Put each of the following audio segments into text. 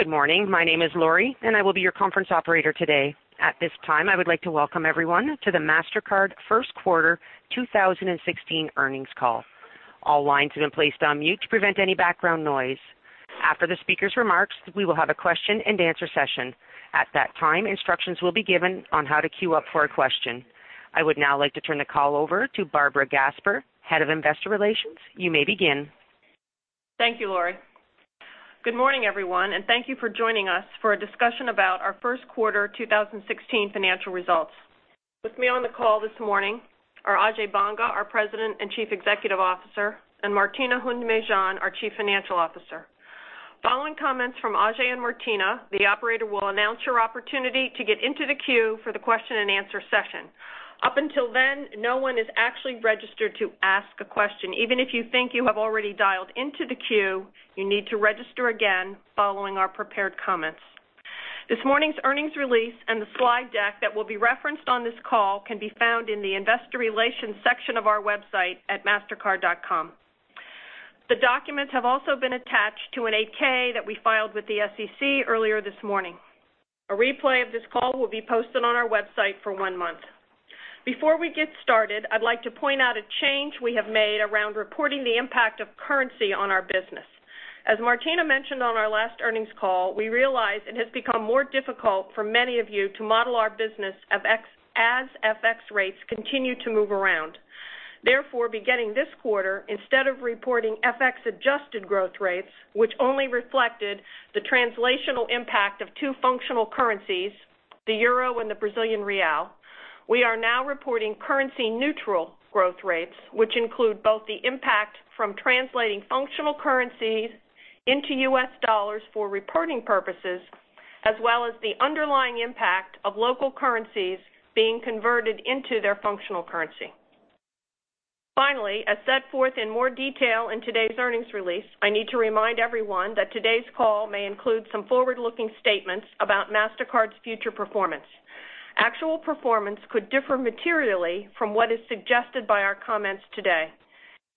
Good morning. My name is Lori, and I will be your conference operator today. At this time, I would like to welcome everyone to the Mastercard first quarter 2016 earnings call. All lines have been placed on mute to prevent any background noise. After the speaker's remarks, we will have a question-and-answer session. At that time, instructions will be given on how to queue up for a question. I would now like to turn the call over to Barbara Gasper, Head of Investor Relations. You may begin. Thank you, Lori. Good morning, everyone, and thank you for joining us for a discussion about our first quarter 2016 financial results. With me on the call this morning are Ajay Banga, our President and Chief Executive Officer, and Martina Hund-Mejean, our Chief Financial Officer. Following comments from Ajay and Martina, the operator will announce your opportunity to get into the queue for the question-and-answer session. Up until then, no one is actually registered to ask a question. Even if you think you have already dialed into the queue, you need to register again following our prepared comments. This morning's earnings release and the slide deck that will be referenced on this call can be found in the investor relations section of our website at mastercard.com. The documents have also been attached to an 8-K that we filed with the SEC earlier this morning. A replay of this call will be posted on our website for one month. Before we get started, I'd like to point out a change we have made around reporting the impact of currency on our business. As Martina mentioned on our last earnings call, we realize it has become more difficult for many of you to model our business as FX rates continue to move around. Therefore, beginning this quarter, instead of reporting FX-adjusted growth rates, which only reflected the translational impact of two functional currencies, the EUR and the BRL, we are now reporting currency-neutral growth rates, which include both the impact from translating functional currencies into US dollars for reporting purposes, as well as the underlying impact of local currencies being converted into their functional currency. Finally, as set forth in more detail in today's earnings release, I need to remind everyone that today's call may include some forward-looking statements about Mastercard's future performance. Actual performance could differ materially from what is suggested by our comments today.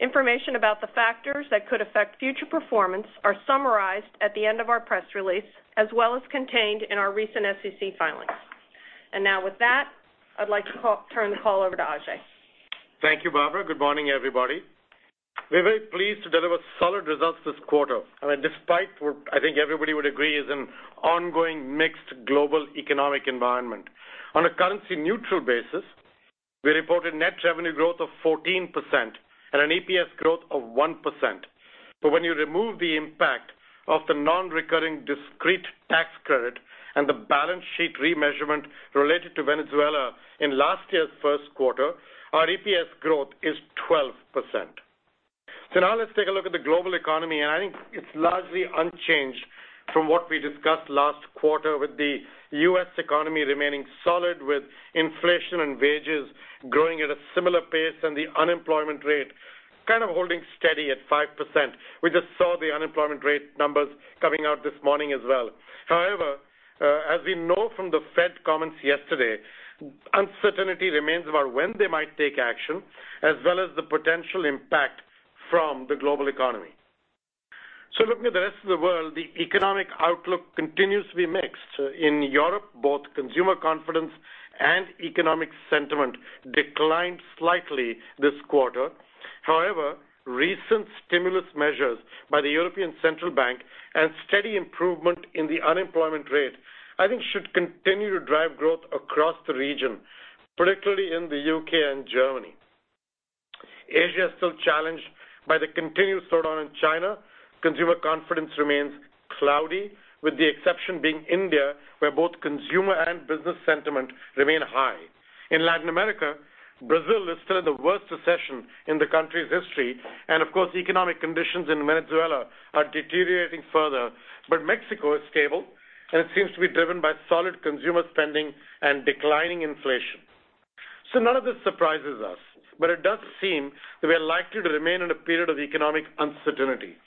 Information about the factors that could affect future performance are summarized at the end of our press release, as well as contained in our recent SEC filings. Now with that, I'd like to turn the call over to Ajay. Thank you, Barbara. Good morning, everybody. We are very pleased to deliver solid results this quarter, despite what I think everybody would agree is an ongoing mixed global economic environment. On a currency-neutral basis, we reported net revenue growth of 14% and an EPS growth of 1%. When you remove the impact of the non-recurring discrete tax credit and the balance sheet remeasurement related to Venezuela in last year's first quarter, our EPS growth is 12%. Let's take a look at the global economy, and I think it is largely unchanged from what we discussed last quarter with the U.S. economy remaining solid with inflation and wages growing at a similar pace and the unemployment rate kind of holding steady at 5%. We just saw the unemployment rate numbers coming out this morning as well. As we know from the Fed comments yesterday, uncertainty remains about when they might take action, as well as the potential impact from the global economy. Looking at the rest of the world, the economic outlook continues to be mixed. In Europe, both consumer confidence and economic sentiment declined slightly this quarter. Recent stimulus measures by the European Central Bank and steady improvement in the unemployment rate, I think should continue to drive growth across the region, particularly in the U.K. and Germany. Asia is still challenged by the continued slowdown in China. Consumer confidence remains cloudy, with the exception being India, where both consumer and business sentiment remain high. In Latin America, Brazil is still in the worst recession in the country's history, and of course, economic conditions in Venezuela are deteriorating further. Mexico is stable, and it seems to be driven by solid consumer spending and declining inflation. None of this surprises us, it does seem that we are likely to remain in a period of economic uncertainty.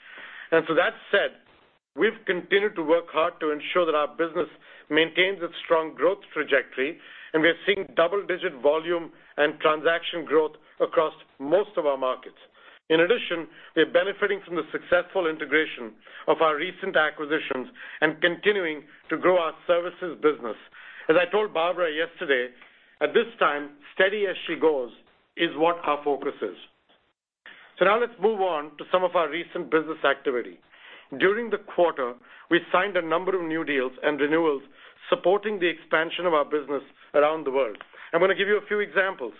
That said, we have continued to work hard to ensure that our business maintains its strong growth trajectory, and we are seeing double-digit volume and transaction growth across most of our markets. In addition, we are benefiting from the successful integration of our recent acquisitions and continuing to grow our services business. As I told Barbara yesterday, at this time, steady as she goes is what our focus is. Let's move on to some of our recent business activity. During the quarter, we signed a number of new deals and renewals supporting the expansion of our business around the world. I am going to give you a few examples.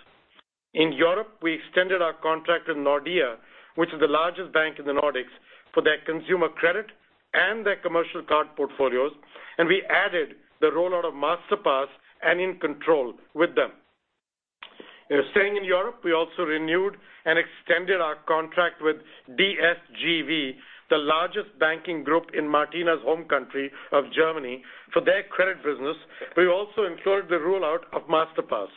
In Europe, we extended our contract with Nordea, which is the largest bank in the Nordics, for their consumer credit and their commercial card portfolios, and we added the rollout of Masterpass and In Control with them. Staying in Europe, we also renewed and extended our contract with DSGV, the largest banking group in Martina's home country of Germany, for their credit business. We also included the rollout of Masterpass.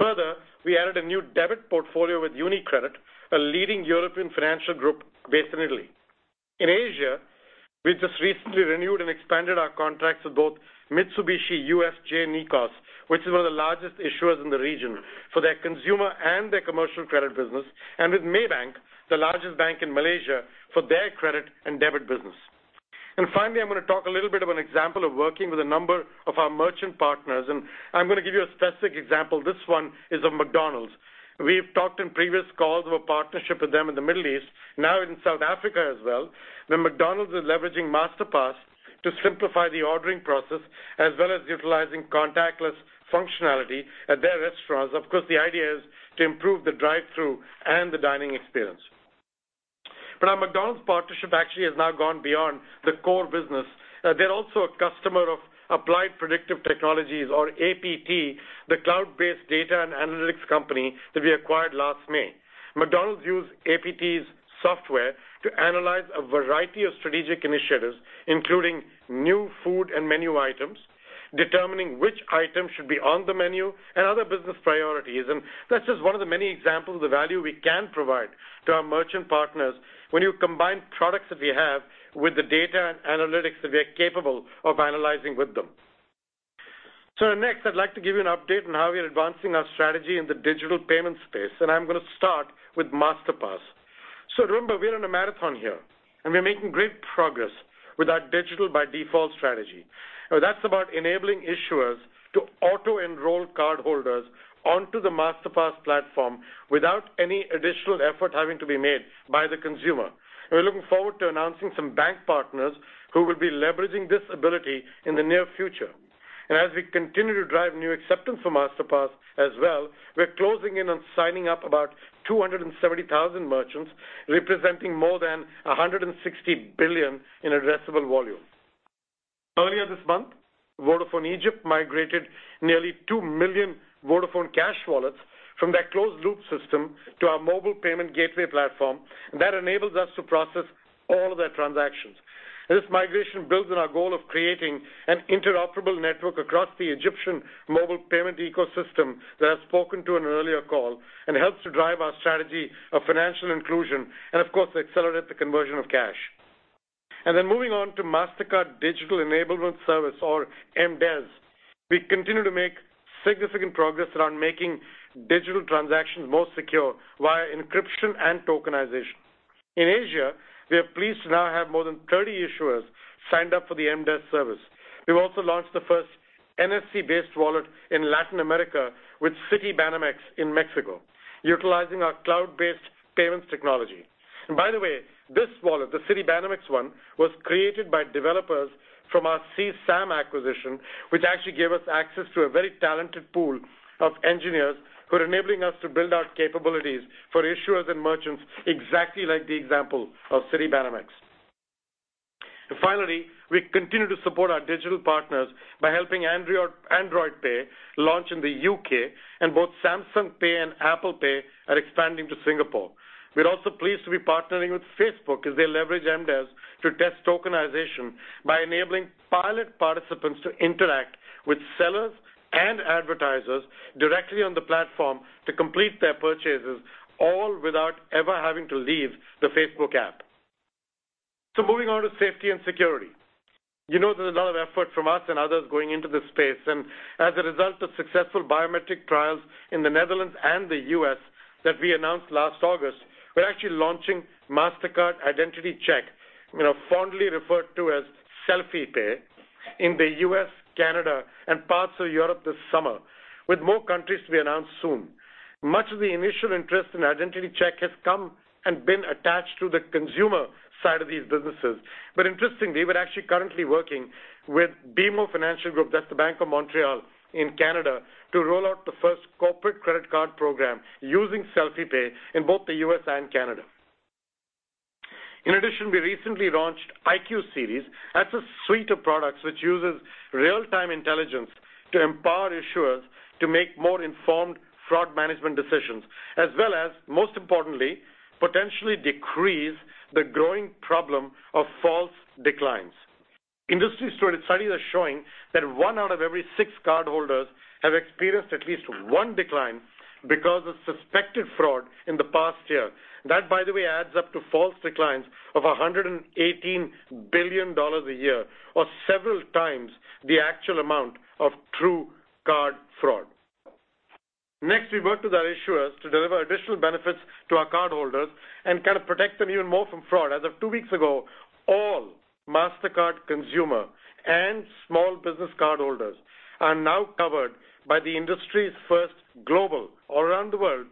Further, we added a new debit portfolio with UniCredit, a leading European financial group based in Italy. In Asia, we just recently renewed and expanded our contracts with both Mitsubishi UFJ NICOS, which is one of the largest issuers in the region for their consumer and their commercial credit business, and with Maybank, the largest bank in Malaysia, for their credit and debit business. I'm going to talk a little bit of an example of working with a number of our merchant partners, and I'm going to give you a specific example. This one is of McDonald's. We've talked in previous calls of a partnership with them in the Middle East, now in South Africa as well, where McDonald's is leveraging Masterpass to simplify the ordering process as well as utilizing contactless functionality at their restaurants. Of course, the idea is to improve the drive-through and the dining experience. Our McDonald's partnership actually has now gone beyond the core business. They're also a customer of Applied Predictive Technologies, or APT, the cloud-based data and analytics company that we acquired last May. McDonald's use APT's software to analyze a variety of strategic initiatives, including new food and menu items, determining which items should be on the menu, and other business priorities. That's just one of the many examples of value we can provide to our merchant partners when you combine products that we have with the data and analytics that we are capable of analyzing with them. Next, I'd like to give you an update on how we are advancing our strategy in the digital payment space, and I'm going to start with Masterpass. Remember, we're in a marathon here, and we're making great progress with our digital by default strategy. That's about enabling issuers to auto-enroll cardholders onto the Masterpass platform without any additional effort having to be made by the consumer. We're looking forward to announcing some bank partners who will be leveraging this ability in the near future. As we continue to drive new acceptance for Masterpass as well, we're closing in on signing up about 270,000 merchants, representing more than $160 billion in addressable volume. Earlier this month, Vodafone Egypt migrated nearly two million Vodafone cash wallets from their closed-loop system to our mobile payment gateway platform that enables us to process all of their transactions. This migration builds on our goal of creating an interoperable network across the Egyptian mobile payment ecosystem that I've spoken to in an earlier call and helps to drive our strategy of financial inclusion and, of course, accelerate the conversion of cash. Moving on to Mastercard Digital Enablement Service or MDES. We continue to make significant progress around making digital transactions more secure via encryption and tokenization. In Asia, we are pleased to now have more than 30 issuers signed up for the MDES service. We've also launched the first NFC-based wallet in Latin America with Citi Banamex in Mexico, utilizing our cloud-based payments technology. By the way, this wallet, the Citi Banamex one, was created by developers from our C-SAM acquisition, which actually gave us access to a very talented pool of engineers who are enabling us to build our capabilities for issuers and merchants exactly like the example of Citi Banamex. Finally, we continue to support our digital partners by helping Android Pay launch in the U.K., and both Samsung Pay and Apple Pay are expanding to Singapore. We're also pleased to be partnering with Facebook as they leverage MDES to test tokenization by enabling pilot participants to interact with sellers and advertisers directly on the platform to complete their purchases, all without ever having to leave the Facebook app. Moving on to safety and security. You know there's a lot of effort from us and others going into this space. As a result of successful biometric trials in the Netherlands and the U.S. that we announced last August, we're actually launching Mastercard Identity Check, fondly referred to as Selfie Pay, in the U.S., Canada, and parts of Europe this summer, with more countries to be announced soon. Much of the initial interest in Identity Check has come and been attached to the consumer side of these businesses. Interestingly, we're actually currently working with BMO Financial Group, that's the Bank of Montreal in Canada, to roll out the first corporate credit card program using Selfie Pay in both the U.S. and Canada. In addition, we recently launched IQ Series. That's a suite of products which uses real-time intelligence to empower issuers to make more informed fraud management decisions, as well as, most importantly, potentially decrease the growing problem of false declines. Industry studies are showing that one out of every six cardholders have experienced at least one decline because of suspected fraud in the past year. That, by the way, adds up to false declines of $118 billion a year or several times the actual amount of true card fraud. Next, we worked with our issuers to deliver additional benefits to our cardholders and kind of protect them even more from fraud. As of two weeks ago, all Mastercard consumer and small business cardholders are now covered by the industry's first global, all around the world,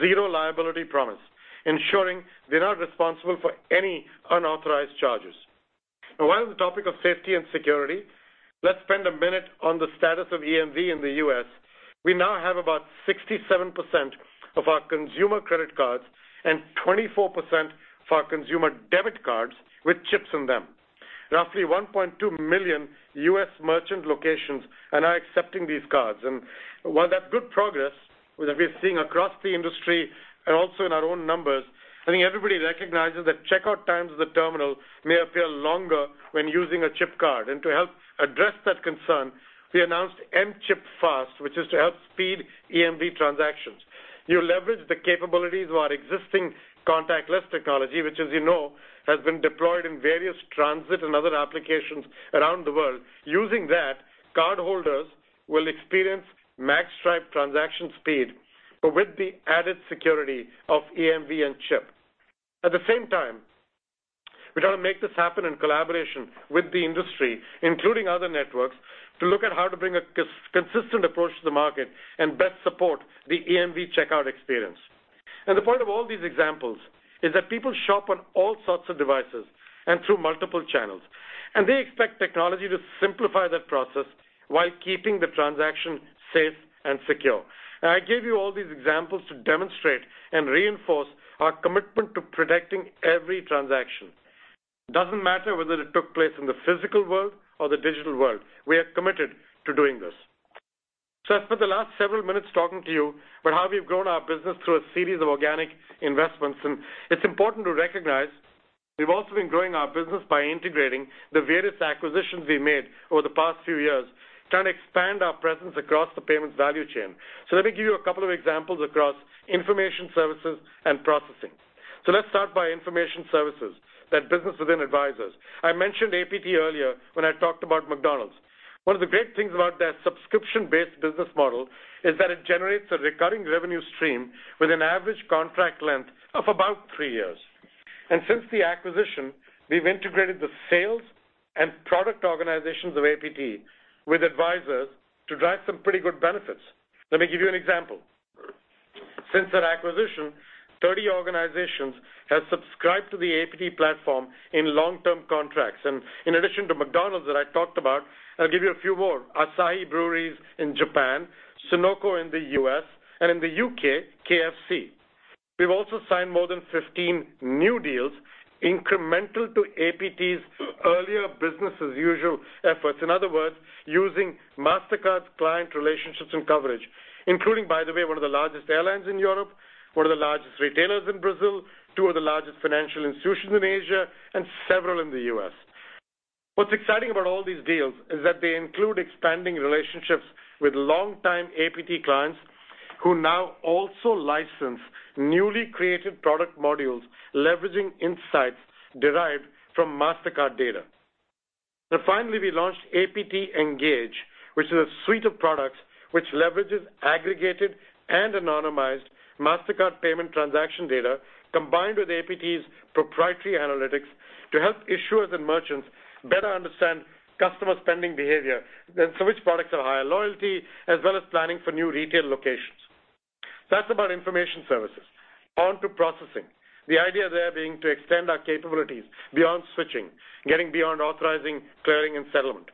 zero liability promise, ensuring they're not responsible for any unauthorized charges. While on the topic of safety and security, let's spend a minute on the status of EMV in the U.S. We now have about 67% of our consumer credit cards and 24% of our consumer debit cards with chips in them. Roughly 1.2 million U.S. merchant locations are now accepting these cards. While that's good progress that we're seeing across the industry and also in our own numbers, I think everybody recognizes that checkout times at the terminal may appear longer when using a chip card. To help address that concern, we announced M/Chip Fast, which is to help speed EMV transactions. You leverage the capabilities of our existing contactless technology, which as you know has been deployed in various transit and other applications around the world. Using that, cardholders will experience magstripe transaction speed, but with the added security of EMV and chip. At the same time, we're going to make this happen in collaboration with the industry, including other networks, to look at how to bring a consistent approach to the market and best support the EMV checkout experience. The point of all these examples is that people shop on all sorts of devices and through multiple channels, and they expect technology to simplify that process while keeping the transaction safe and secure. I gave you all these examples to demonstrate and reinforce our commitment to protecting every transaction. Doesn't matter whether it took place in the physical world or the digital world. We are committed to doing this. I spent the last several minutes talking to you about how we've grown our business through a series of organic investments. It's important to recognize we've also been growing our business by integrating the various acquisitions we've made over the past few years, trying to expand our presence across the payments value chain. Let me give you a couple of examples across information services and processing. Let's start by information services, that business within Advisors. I mentioned APT earlier when I talked about McDonald's. One of the great things about their subscription-based business model is that it generates a recurring revenue stream with an average contract length of about three years. Since the acquisition, we've integrated the sales and product organizations of APT with Advisors to drive some pretty good benefits. Let me give you an example. Since that acquisition, 30 organizations have subscribed to the APT platform in long-term contracts. In addition to McDonald's that I talked about, I'll give you a few more. Asahi Breweries in Japan, Sunoco in the U.S., and in the U.K., KFC. We've also signed more than 15 new deals incremental to APT's earlier business as usual efforts. In other words, using Mastercard's client relationships and coverage, including, by the way, one of the largest airlines in Europe, one of the largest retailers in Brazil, two of the largest financial institutions in Asia, and several in the U.S. What's exciting about all these deals is that they include expanding relationships with longtime APT clients who now also license newly created product modules leveraging insights derived from Mastercard data. Finally, we launched APT Engage, which is a suite of products which leverages aggregated and anonymized Mastercard payment transaction data combined with APT's proprietary analytics to help issuers and merchants better understand customer spending behavior, then for which products are higher loyalty, as well as planning for new retail locations. That's about information services. On to processing. The idea there being to extend our capabilities beyond switching, getting beyond authorizing, clearing, and settlement.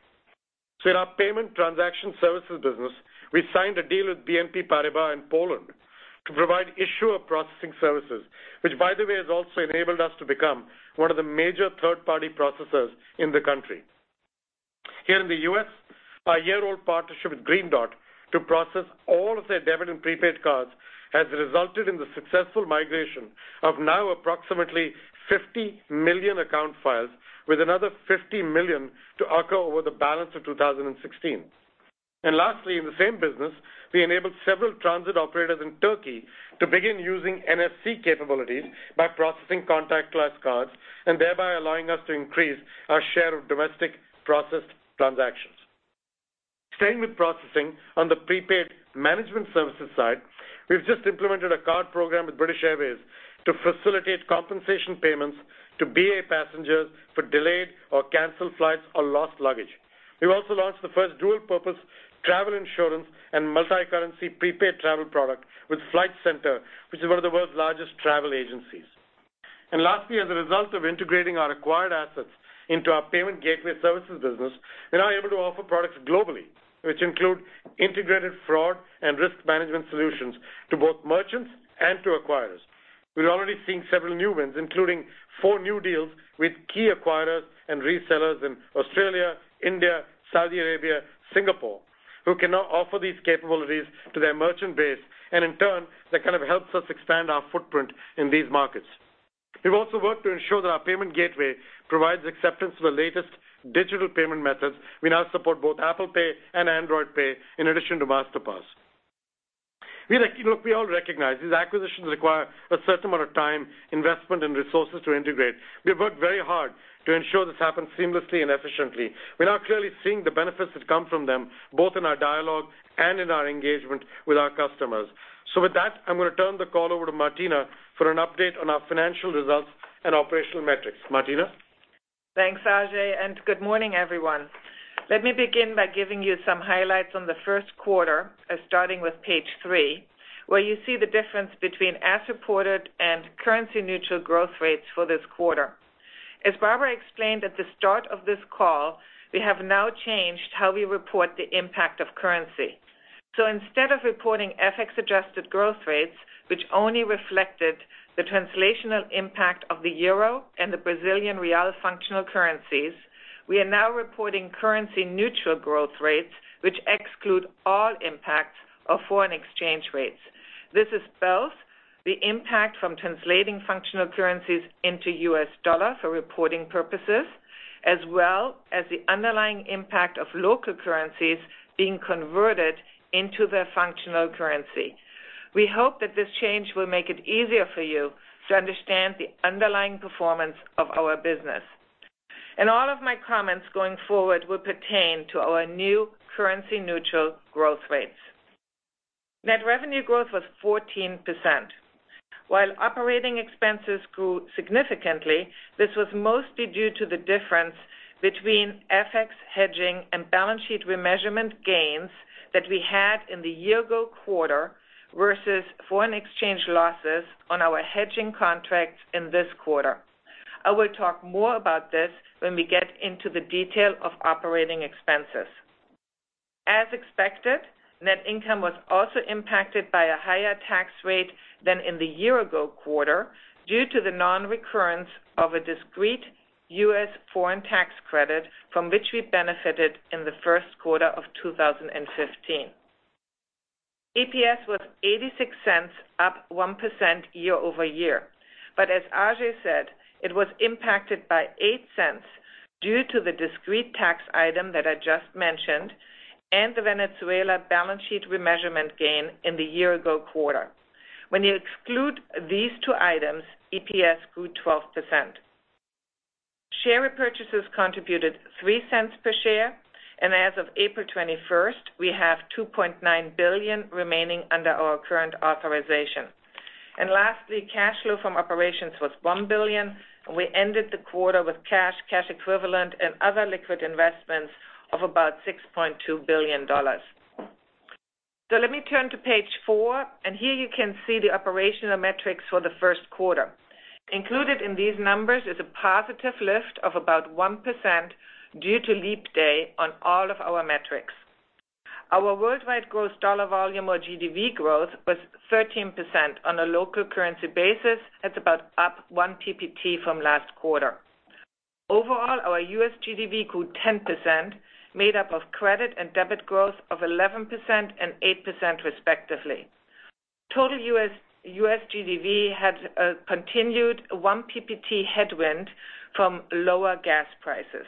In our payment transaction services business, we signed a deal with BNP Paribas in Poland to provide issuer processing services, which, by the way, has also enabled us to become one of the major third-party processors in the country. Here in the U.S., our year-old partnership with Green Dot to process all of their debit and prepaid cards has resulted in the successful migration of now approximately 50 million account files with another 50 million to occur over the balance of 2016. Lastly, in the same business, we enabled several transit operators in Turkey to begin using NFC capabilities by processing contactless cards and thereby allowing us to increase our share of domestic processed transactions. Staying with processing on the prepaid management services side, we've just implemented a card program with British Airways to facilitate compensation payments to BA passengers for delayed or canceled flights or lost luggage. We've also launched the first dual-purpose travel insurance and multi-currency prepaid travel product with Flight Centre, which is one of the world's largest travel agencies. Lastly, as a result of integrating our acquired assets into our payment gateway services business, we're now able to offer products globally, which include integrated fraud and risk management solutions to both merchants and to acquirers. We're already seeing several new wins, including four new deals with key acquirers and resellers in Australia, India, Saudi Arabia, Singapore, who can now offer these capabilities to their merchant base, and in turn, that kind of helps us expand our footprint in these markets. We've also worked to ensure that our payment gateway provides acceptance of the latest digital payment methods. We now support both Apple Pay and Android Pay in addition to Masterpass. Look, we all recognize these acquisitions require a certain amount of time, investment, and resources to integrate. We have worked very hard to ensure this happens seamlessly and efficiently. We're now clearly seeing the benefits that come from them, both in our dialogue and in our engagement with our customers. With that, I'm going to turn the call over to Martina for an update on our financial results and operational metrics. Martina? Thanks, Ajay. Good morning, everyone. Let me begin by giving you some highlights on the first quarter as starting with page three, where you see the difference between as-reported and currency-neutral growth rates for this quarter. As Barbara explained at the start of this call, we have now changed how we report the impact of currency. Instead of reporting FX-adjusted growth rates, which only reflected the translational impact of the EUR and the BRL functional currencies, we are now reporting currency-neutral growth rates, which exclude all impacts of foreign exchange rates. The impact from translating functional currencies into USD for reporting purposes, as well as the underlying impact of local currencies being converted into their functional currency. We hope that this change will make it easier for you to understand the underlying performance of our business. All of my comments going forward will pertain to our new currency neutral growth rates. Net revenue growth was 14%. While operating expenses grew significantly, this was mostly due to the difference between FX hedging and balance sheet remeasurement gains that we had in the year ago quarter versus foreign exchange losses on our hedging contracts in this quarter. I will talk more about this when we get into the detail of operating expenses. As expected, net income was also impacted by a higher tax rate than in the year ago quarter due to the non-recurrence of a discrete U.S. foreign tax credit from which we benefited in the first quarter of 2015. EPS was $0.86, up 1% year-over-year. As Ajay said, it was impacted by $0.08 due to the discrete tax item that I just mentioned and the Venezuela balance sheet remeasurement gain in the year ago quarter. When you exclude these two items, EPS grew 12%. Share repurchases contributed $0.03 per share, and as of April 21st, we have $2.9 billion remaining under our current authorization. Lastly, cash flow from operations was $1 billion, and we ended the quarter with cash equivalent, and other liquid investments of about $6.2 billion. Let me turn to page four, and here you can see the operational metrics for the first quarter. Included in these numbers is a positive lift of about 1% due to leap day on all of our metrics. Our worldwide gross dollar volume or GDV growth was 13% on a local currency basis. That's about up 1 PPT from last quarter. Overall, our U.S. GDV grew 10%, made up of credit and debit growth of 11% and 8% respectively. Total U.S. GDV had a continued 1 PPT headwind from lower gas prices.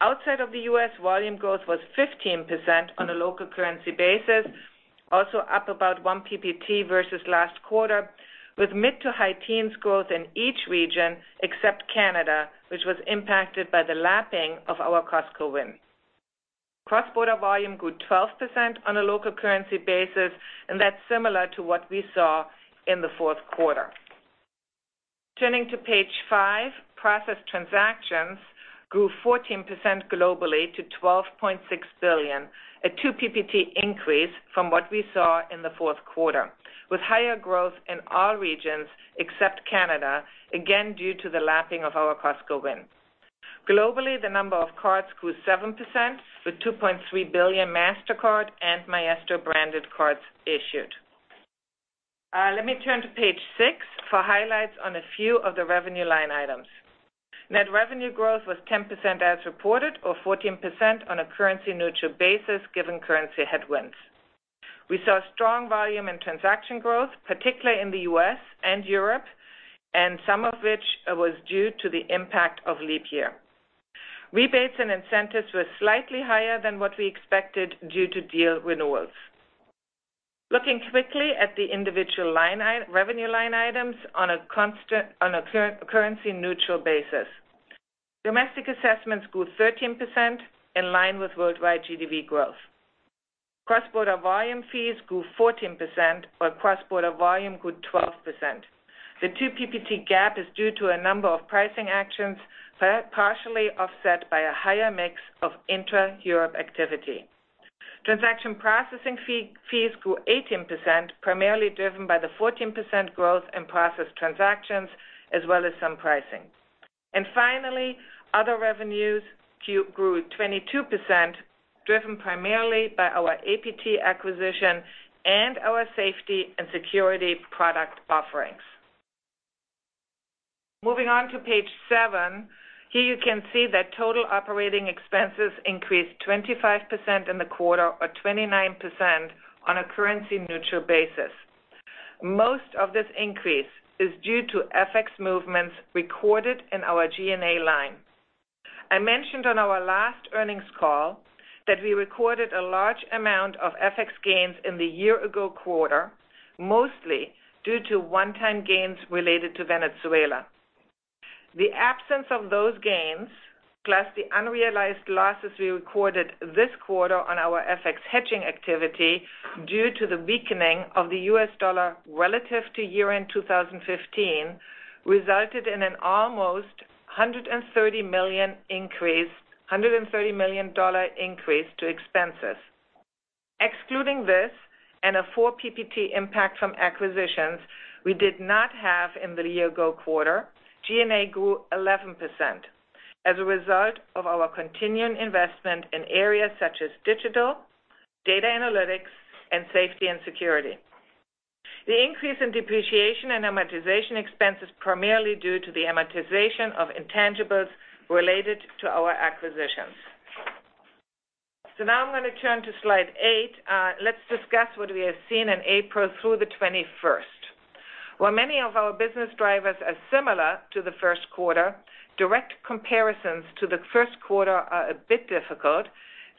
Outside of the U.S., volume growth was 15% on a local currency basis, also up about 1 PPT versus last quarter, with mid to high teens growth in each region except Canada, which was impacted by the lapping of our Costco win. Cross-border volume grew 12% on a local currency basis, that's similar to what we saw in the fourth quarter. Turning to page five, processed transactions grew 14% globally to 12.6 billion, a 2 PPT increase from what we saw in the fourth quarter, with higher growth in all regions except Canada, again due to the lapping of our Costco win. Globally, the number of cards grew 7%, with 2.3 billion Mastercard and Maestro branded cards issued. Let me turn to page six for highlights on a few of the revenue line items. Net revenue growth was 10% as reported, or 14% on a currency neutral basis, given currency headwinds. We saw strong volume and transaction growth, particularly in the U.S. and Europe, some of which was due to the impact of leap year. Rebates and incentives were slightly higher than what we expected due to deal renewals. Looking quickly at the individual revenue line items on a currency neutral basis. Domestic assessments grew 13%, in line with worldwide GDV growth. Cross-border volume fees grew 14%, while cross-border volume grew 12%. The 2 PPT gap is due to a number of pricing actions, partially offset by a higher mix of intra-Europe activity. Transaction processing fees grew 18%, primarily driven by the 14% growth in processed transactions as well as some pricing. Finally, other revenues grew 22%, driven primarily by our APT acquisition and our safety and security product offerings. Moving on to page seven. Here you can see that total operating expenses increased 25% in the quarter, or 29% on a currency neutral basis. Most of this increase is due to FX movements recorded in our G&A line. I mentioned on our last earnings call that we recorded a large amount of FX gains in the year ago quarter, mostly due to one-time gains related to Venezuela. The absence of those gains, plus the unrealized losses we recorded this quarter on our FX hedging activity due to the weakening of the U.S. dollar relative to year-end 2015, resulted in an almost $130 million increase to expenses. Excluding this and a 4 PPT impact from acquisitions we did not have in the year ago quarter, G&A grew 11% as a result of our continuing investment in areas such as digital, data analytics, and safety and security. The increase in depreciation and amortization expense is primarily due to the amortization of intangibles related to our acquisitions. Now I'm going to turn to slide 8. Let's discuss what we have seen in April through the 21st. While many of our business drivers are similar to the first quarter, direct comparisons to the first quarter are a bit difficult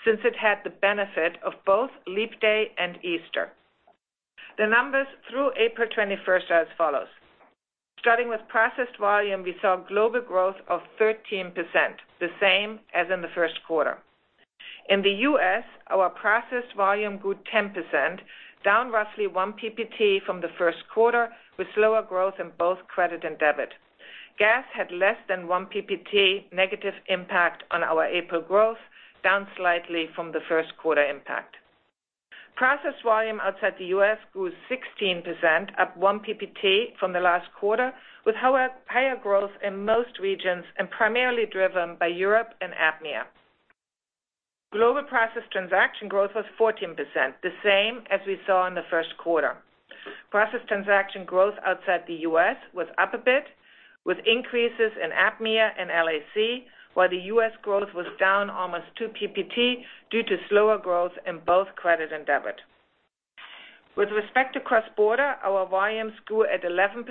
since it had the benefit of both leap day and Easter. The numbers through April 21st are as follows. Starting with processed volume, we saw global growth of 13%, the same as in the first quarter. In the U.S., our processed volume grew 10%, down roughly 1 PPT from the first quarter, with slower growth in both credit and debit. Gas had less than 1 PPT negative impact on our April growth, down slightly from the first quarter impact. Processed volume outside the U.S. grew 16%, up 1 PPT from the last quarter, with higher growth in most regions and primarily driven by Europe and APMEA. Global processed transaction growth was 14%, the same as we saw in the first quarter. Processed transaction growth outside the U.S. was up a bit, with increases in APMEA and LAC, while the U.S. growth was down almost 2 PPT due to slower growth in both credit and debit. With respect to cross-border, our volumes grew at 11%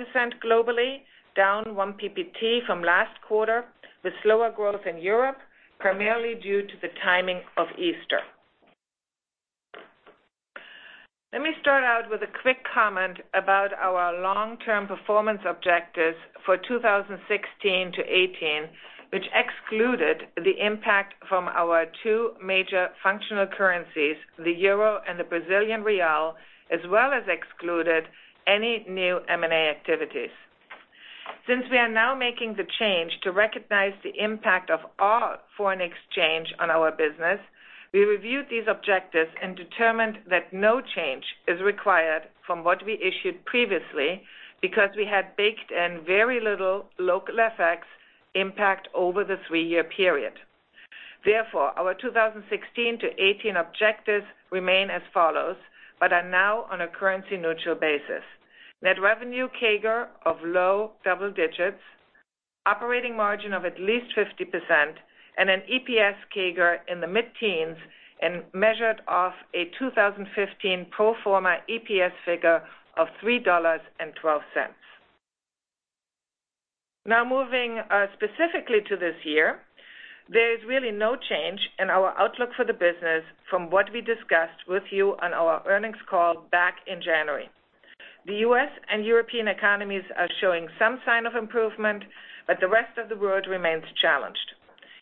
globally, down 1 PPT from last quarter, with slower growth in Europe, primarily due to the timing of Easter. Let me start out with a quick comment about our long-term performance objectives for 2016-2018, which excluded the impact from our two major functional currencies, the EUR and the BRL, as well as excluded any new M&A activities. Since we are now making the change to recognize the impact of all foreign exchange on our business, we reviewed these objectives and determined that no change is required from what we issued previously because we had baked in very little local FX impact over the three-year period. Therefore, our 2016-2018 objectives remain as follows, but are now on a currency-neutral basis. Net revenue CAGR of low double digits, operating margin of at least 50%, and an EPS CAGR in the mid-teens and measured off a 2015 pro forma EPS figure of $3.12. Moving specifically to this year, there is really no change in our outlook for the business from what we discussed with you on our earnings call back in January. The U.S. and European economies are showing some sign of improvement, but the rest of the world remains challenged.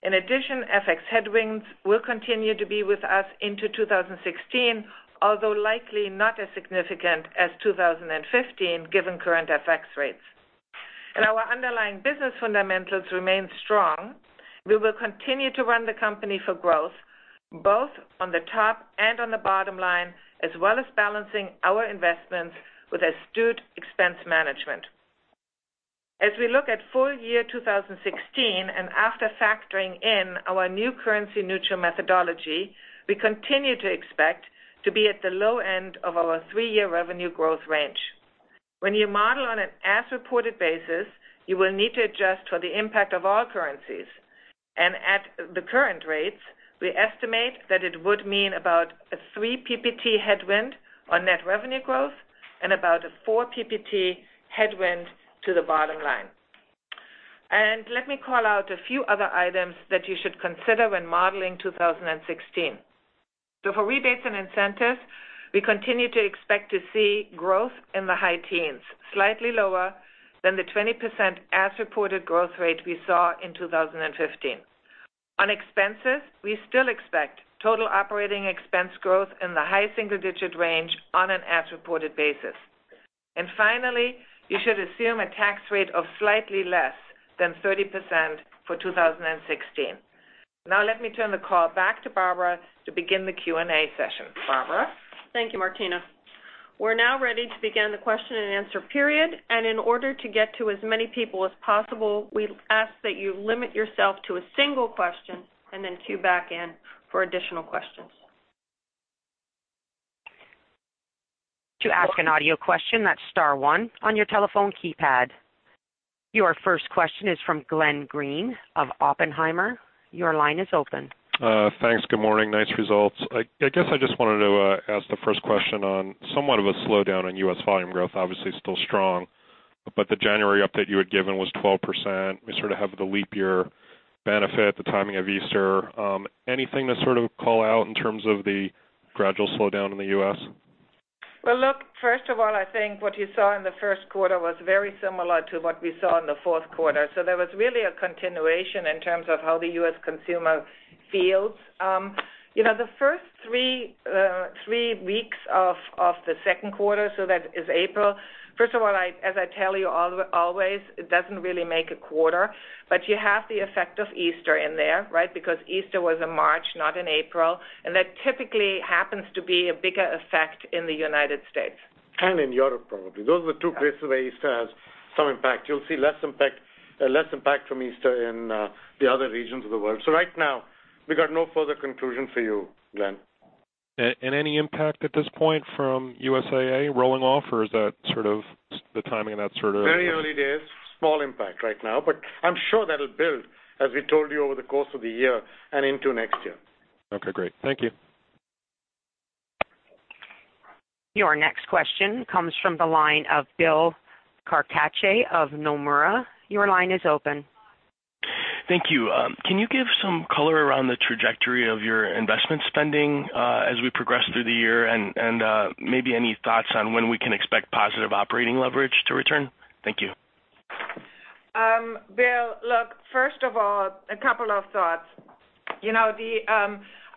In addition, FX headwinds will continue to be with us into 2016, although likely not as significant as 2015 given current FX rates. Our underlying business fundamentals remain strong. We will continue to run the company for growth, both on the top and on the bottom line, as well as balancing our investments with astute expense management. As we look at full year 2016 and after factoring in our new currency-neutral methodology, we continue to expect to be at the low end of our three-year revenue growth range. When you model on an as-reported basis, you will need to adjust for the impact of all currencies. At the current rates, we estimate that it would mean about a 3 PPT headwind on net revenue growth and about a 4 PPT headwind to the bottom line. Let me call out a few other items that you should consider when modeling 2016. For rebates and incentives, we continue to expect to see growth in the high teens, slightly lower than the 20% as-reported growth rate we saw in 2015. On expenses, we still expect total operating expense growth in the high single-digit range on an as-reported basis. Finally, you should assume a tax rate of slightly less than 30% for 2016. Let me turn the call back to Barbara to begin the Q&A session. Barbara? Thank you, Martina. We are now ready to begin the question-and-answer period. In order to get to as many people as possible, we ask that you limit yourself to a single question and then queue back in for additional questions. To ask an audio question, that is star one on your telephone keypad. Your first question is from Glenn Greene of Oppenheimer. Your line is open. Thanks. Good morning. Nice results. I guess I just wanted to ask the first question on somewhat of a slowdown in U.S. volume growth. Obviously still strong, but the January update you had given was 12%. We sort of have the leap year benefit, the timing of Easter. Anything to sort of call out in terms of the gradual slowdown in the U.S.? Well, look, first of all, I think what you saw in the first quarter was very similar to what we saw in the fourth quarter. There was really a continuation in terms of how the U.S. consumer feels. The first three weeks of the second quarter, so that is April. First of all, as I tell you always, it doesn't really make a quarter, but you have the effect of Easter in there, right? Because Easter was in March, not in April, and that typically happens to be a bigger effect in the U.S. In Europe, probably. Those are the two places where Easter has some impact. You'll see less impact from Easter in the other regions of the world. Right now, we got no further conclusion for you, Glenn. Any impact at this point from USAA rolling off or is the timing on that sort of? Very early days. Small impact right now, but I'm sure that'll build, as we told you over the course of the year and into next year. Okay, great. Thank you. Your next question comes from the line of Bill Carcache of Nomura. Your line is open. Thank you. Can you give some color around the trajectory of your investment spending as we progress through the year and maybe any thoughts on when we can expect positive operating leverage to return? Thank you. Bill, look, first of all, a couple of thoughts.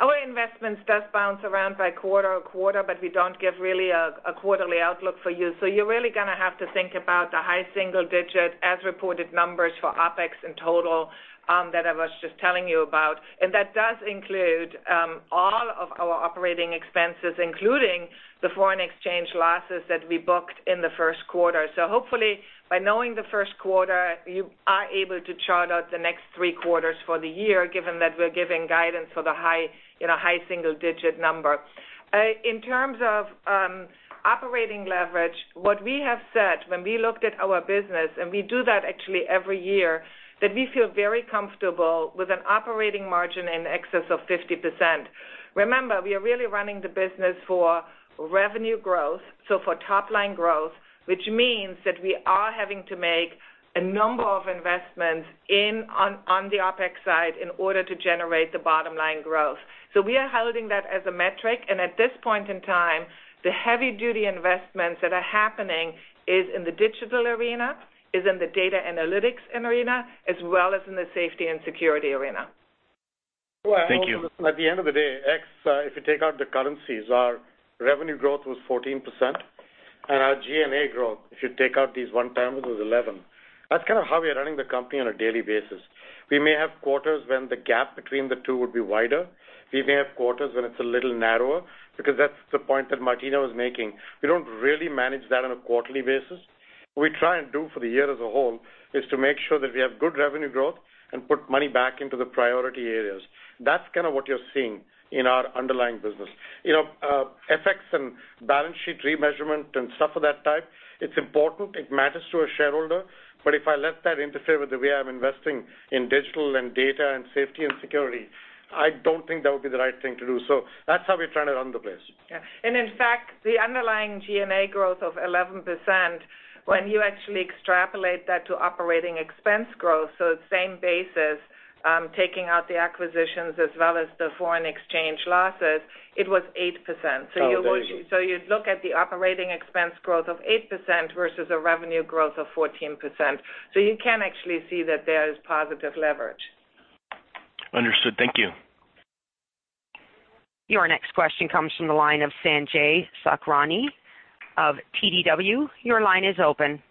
Our investments does bounce around quarter-over-quarter, but we don't give really a quarterly outlook for you. You're really going to have to think about the high single digit as reported numbers for OPEX in total that I was just telling you about. That does include all of our operating expenses, including the foreign exchange losses that we booked in the first quarter. Hopefully, by knowing the first quarter, you are able to chart out the next three quarters for the year, given that we're giving guidance for the high single digit number. In terms of operating leverage, what we have said when we looked at our business, and we do that actually every year, that we feel very comfortable with an operating margin in excess of 50%. Remember, we are really running the business for revenue growth, for top-line growth, which means that we are having to make a number of investments on the OPEX side in order to generate the bottom-line growth. We are holding that as a metric, and at this point in time, the heavy-duty investments that are happening is in the digital arena, is in the data analytics arena, as well as in the safety and security arena. Thank you. At the end of the day, if you take out the currencies, our revenue growth was 14%, and our G&A growth, if you take out these one-timers, was 11%. That's kind of how we are running the company on a daily basis. We may have quarters when the gap between the two would be wider. We may have quarters when it's a little narrower because that's the point that Martina was making. We don't really manage that on a quarterly basis. What we try and do for the year as a whole is to make sure that we have good revenue growth and put money back into the priority areas. That's kind of what you're seeing in our underlying business. FX and balance sheet remeasurement and stuff of that type, it's important, it matters to a shareholder, but if I let that interfere with the way I'm investing in digital and data and safety and security, I don't think that would be the right thing to do. That's how we're trying to run the place. In fact, the underlying G&A growth of 11%, when you actually extrapolate that to operating expense growth, so same basis, taking out the acquisitions as well as the foreign exchange losses, it was 8%. Oh, there you go. You'd look at the operating expense growth of 8% versus a revenue growth of 14%. You can actually see that there is positive leverage. Understood. Thank you. Your next question comes from the line of Sanjay Sakhrani of KBW. Your line is open.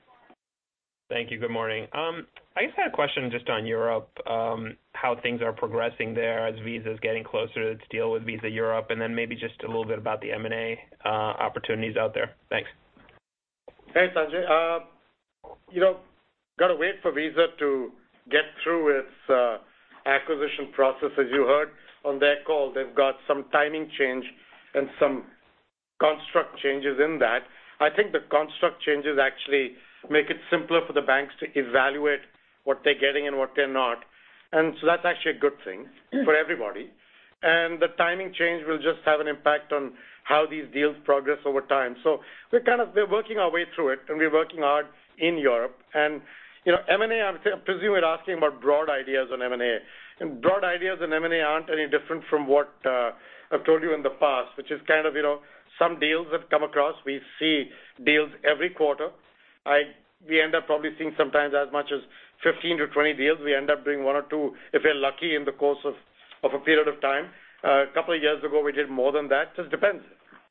Thank you. Good morning. I just had a question just on Europe, how things are progressing there as Visa's getting closer to its deal with Visa Europe, then maybe just a little bit about the M&A opportunities out there. Thanks. Hey, Sanjay. Got to wait for Visa to get through its acquisition process. As you heard on their call, they've got some timing change and some construct changes in that. I think the construct changes actually make it simpler for the banks to evaluate what they're getting and what they're not. That's actually a good thing for everybody. The timing change will just have an impact on how these deals progress over time. We're working our way through it, and we're working hard in Europe. M&A, I presume you're asking about broad ideas on M&A. Broad ideas on M&A aren't any different from what I've told you in the past, which is kind of some deals have come across. We see deals every quarter. We end up probably seeing sometimes as much as 15-20 deals. We end up doing one or two, if we're lucky, in the course of a period of time. A couple of years ago, we did more than that. Just depends.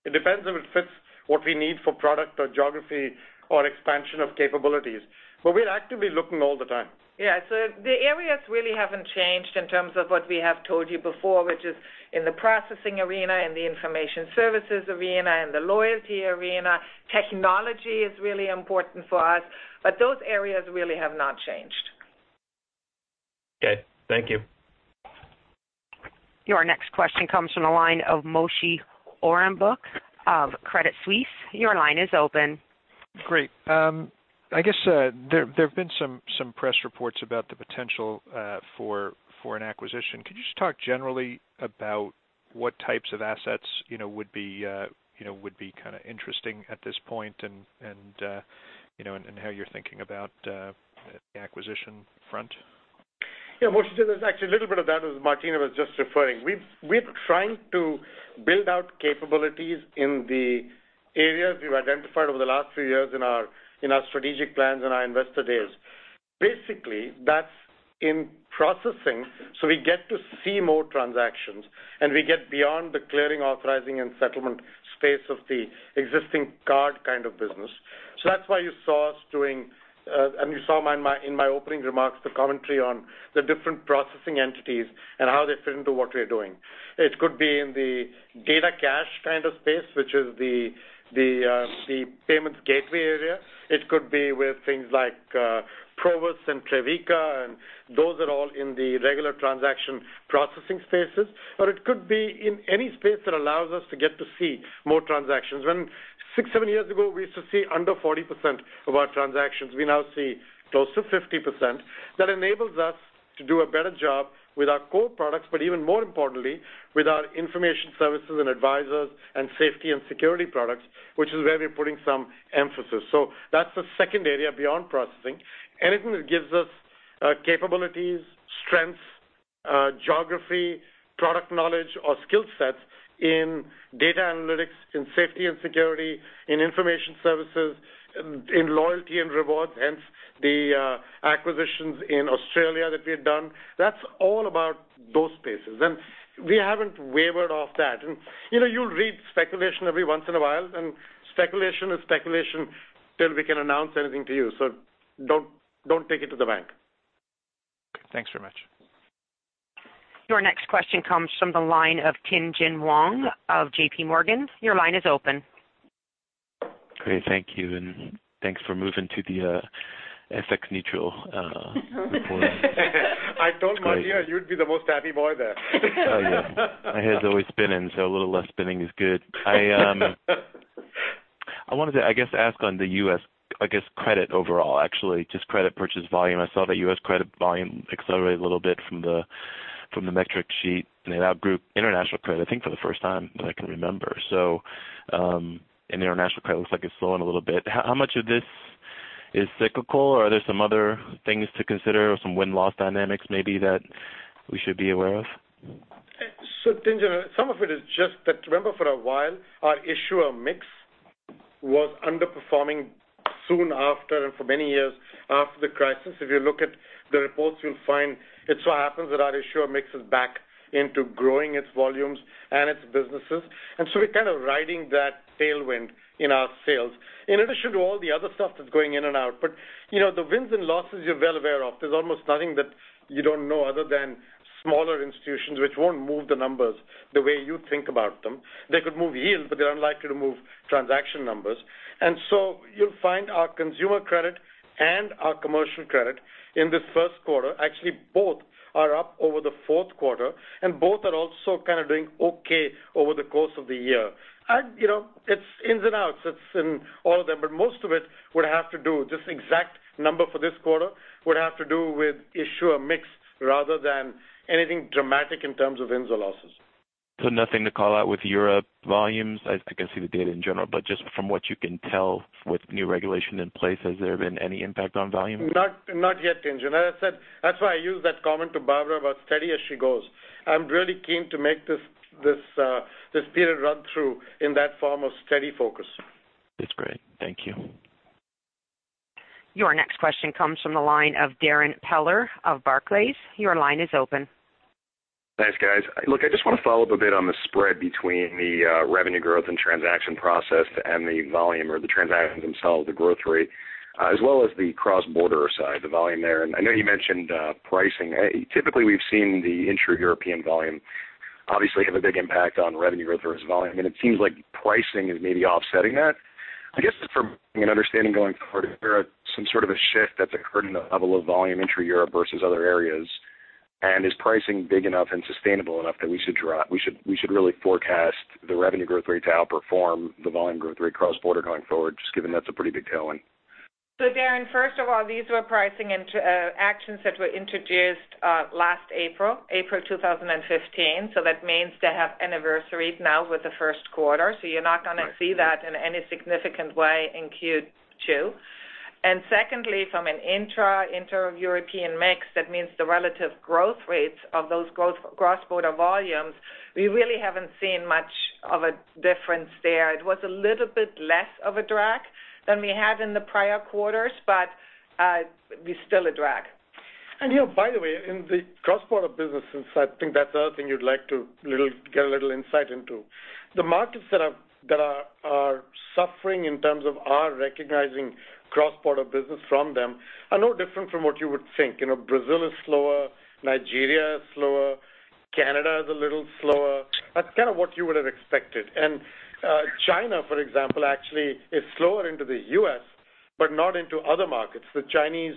It depends if it fits what we need for product or geography or expansion of capabilities. We're actively looking all the time. Yeah. The areas really haven't changed in terms of what we have told you before, which is in the processing arena, in the information services arena, in the loyalty arena. Technology is really important for us, those areas really have not changed. Okay. Thank you. Your next question comes from the line of Moshe Orenbuch of Credit Suisse. Your line is open. Great. I guess there have been some press reports about the potential for an acquisition. Could you just talk generally about what types of assets would be kind of interesting at this point and how you're thinking about the acquisition front? Yeah, Moshe, there's actually a little bit of that, as Martina was just referring. We're trying to build out capabilities in the areas we've identified over the last few years in our strategic plans and our investor days. Basically, that's in processing. We get to see more transactions and we get beyond the clearing, authorizing, and settlement space of the existing card kind of business. That's why you saw us doing, and you saw in my opening remarks, the commentary on the different processing entities and how they fit into what we're doing. It could be in the DataCash kind of space, which is the payments gateway area. It could be with things like Provus and Trevica, and those are all in the regular transaction processing spaces. It could be in any space that allows us to get to see more transactions. Six, seven years ago, we used to see under 40% of our transactions. We now see close to 50%. That enables us to do a better job with our core products, but even more importantly, with our information services and Mastercard Advisors and safety and security products, which is where we're putting some emphasis. That's the second area beyond processing. Anything that gives us capabilities, strengths, geography, product knowledge, or skill sets in data analytics, in safety and security, in information services, in loyalty and rewards, hence the acquisitions in Australia that we had done. That's all about those spaces. We haven't wavered off that. You read speculation every once in a while, and speculation is speculation till we can announce anything to you. Don't take it to the bank. Thanks very much. Your next question comes from the line of Tien-tsin Huang of JPMorgan. Your line is open. Great. Thank you. Thanks for moving to the FX neutral reporting. I told Martina you'd be the most happy boy there. Oh, yeah. My head's always spinning, so a little less spinning is good. I wanted to, I guess, ask on the U.S. credit overall, actually, just credit purchase volume. I saw that U.S. credit volume accelerated a little bit from the metric sheet and it outgrew international credit, I think for the first time that I can remember. The international credit looks like it's slowing a little bit. How much of this is cyclical, or are there some other things to consider or some win-loss dynamics maybe that we should be aware of? Tien-tsin, some of it is just that, remember for a while, our issuer mix was underperforming soon after and for many years after the crisis. If you look at the reports, you'll find it so happens that our issuer mix is back into growing its volumes and its businesses. We're kind of riding that tailwind in our sales in addition to all the other stuff that's going in and out. The wins and losses you're well aware of. There's almost nothing that you don't know other than smaller institutions which won't move the numbers the way you think about them. They could move yields, but they're unlikely to move transaction numbers. You'll find our consumer credit and our commercial credit in the first quarter, actually both are up over the fourth quarter, and both are also kind of doing okay over the course of the year. It's ins and outs. It's in all of them, but most of it would have to do, this exact number for this quarter would have to do with issuer mix rather than anything dramatic in terms of wins or losses. Nothing to call out with Europe volumes. I can see the data in general, but just from what you can tell with new regulation in place, has there been any impact on volume? Not yet Tien-tsin. As I said, that's why I used that comment to Barbara about steady as she goes. I'm really keen to make this period run through in that form of steady focus. That's great. Thank you. Your next question comes from the line of Darrin Peller of Barclays. Your line is open. Thanks, guys. Look, I just want to follow up a bit on the spread between the revenue growth and transaction process and the volume or the transactions themselves, the growth rate, as well as the cross-border side, the volume there. I know you mentioned pricing. Typically, we've seen the intra-European volume obviously have a big impact on revenue growth or as volume. It seems like pricing is maybe offsetting that. I guess just from an understanding going forward, is there some sort of a shift that's occurred in the level of volume intra-Europe versus other areas? Is pricing big enough and sustainable enough that we should really forecast the revenue growth rate to outperform the volume growth rate cross-border going forward, just given that's a pretty big tailwind. Darrin, first of all, these were pricing actions that were introduced last April 2015. That means they have anniversaries now with the first quarter. You're not going to see that in any significant way in Q2. Secondly, from an intra-, inter-European mix, that means the relative growth rates of those cross-border volumes, we really haven't seen much of a difference there. It was a little bit less of a drag than we had in the prior quarters, but still a drag. Here, by the way, in the cross-border businesses, I think that's the other thing you'd like to get a little insight into. The markets that are suffering in terms of our recognizing cross-border business from them are no different from what you would think. Brazil is slower, Nigeria is slower, Canada is a little slower. That's kind of what you would have expected. China, for example, actually is slower into the U.S., but not into other markets. The Chinese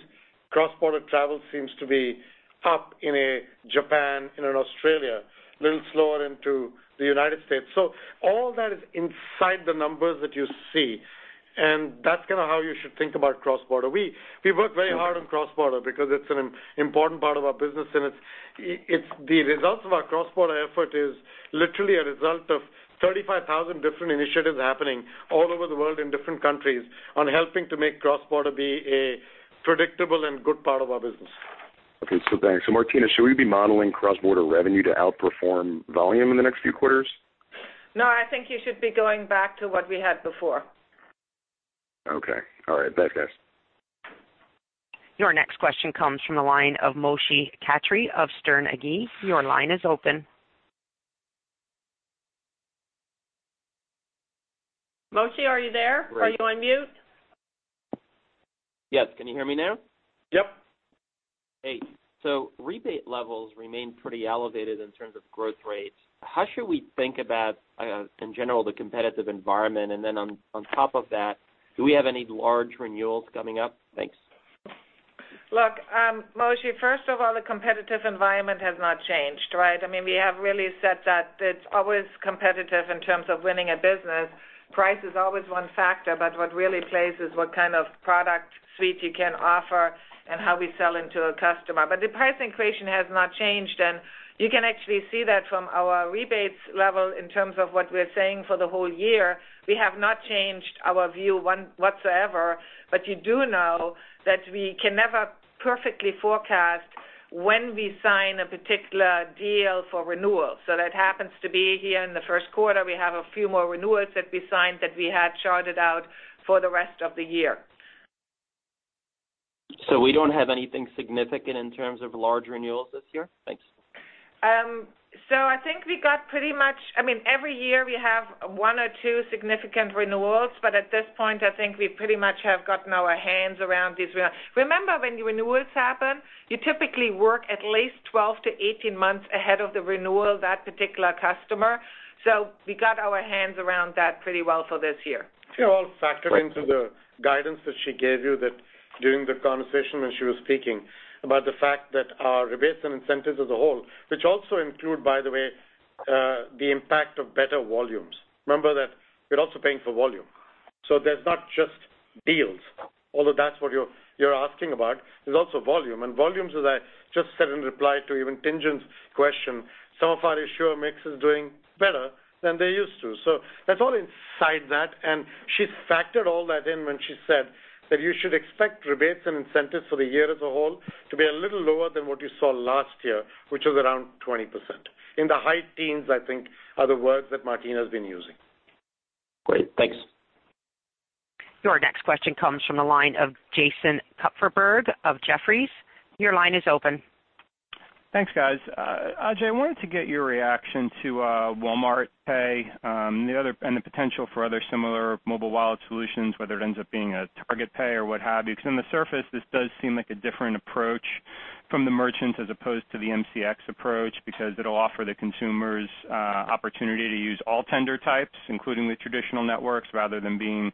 cross-border travel seems to be up in Japan, in Australia, a little slower into the United States. All that is inside the numbers that you see. That's kind of how you should think about cross-border. We work very hard on cross-border because it's an important part of our business. The results of our cross-border effort is literally a result of 35,000 different initiatives happening all over the world in different countries on helping to make cross-border be a predictable and good part of our business. Okay. Thanks. Martina, should we be modeling cross-border revenue to outperform volume in the next few quarters? No, I think you should be going back to what we had before Okay. All right. Thanks, guys. Your next question comes from the line of Mitesh Khatri of Sterne Agee. Your line is open. Mitesh, are you there? Are you on mute? Yes. Can you hear me now? Yep. Hey. Rebate levels remain pretty elevated in terms of growth rates. How should we think about, in general, the competitive environment? Do we have any large renewals coming up? Thanks. Look, Mitesh, first of all, the competitive environment has not changed. We have really said that it's always competitive in terms of winning a business. Price is always one factor, but what really plays is what kind of product suite you can offer and how we sell into a customer. The price increase has not changed, and you can actually see that from our rebates level in terms of what we're saying for the whole year. We have not changed our view whatsoever. You do know that we can never perfectly forecast when we sign a particular deal for renewal. That happens to be here in the first quarter. We have a few more renewals that we signed that we had charted out for the rest of the year. We don't have anything significant in terms of large renewals this year? Thanks. I think we got pretty much every year we have one or two significant renewals, but at this point, I think we pretty much have gotten our hands around these renewals. Remember when renewals happen, you typically work at least 12 to 18 months ahead of the renewal of that particular customer. We got our hands around that pretty well for this year. It all factored into the guidance that she gave you that during the conversation when she was speaking about the fact that our rebates and incentives as a whole, which also include, by the way, the impact of better volumes. Remember that we're also paying for volume. There's not just deals, although that's what you're asking about. There's also volume. Volumes, as I just said in reply to even Tien-tsin's question, some of our issuer mix is doing better than they used to. That's all inside that, and she's factored all that in when she said that you should expect rebates and incentives for the year as a whole to be a little lower than what you saw last year, which was around 20%. In the high teens, I think, are the words that Martina has been using. Great. Thanks. Your next question comes from the line of Jason Kupferberg of Jefferies. Your line is open. Thanks, guys. Ajay, I wanted to get your reaction to Walmart Pay and the potential for other similar mobile wallet solutions, whether it ends up being a Target Pay or what have you, because on the surface, this does seem like a different approach from the merchants as opposed to the MCX approach because it'll offer the consumers opportunity to use all tender types, including the traditional networks, rather than being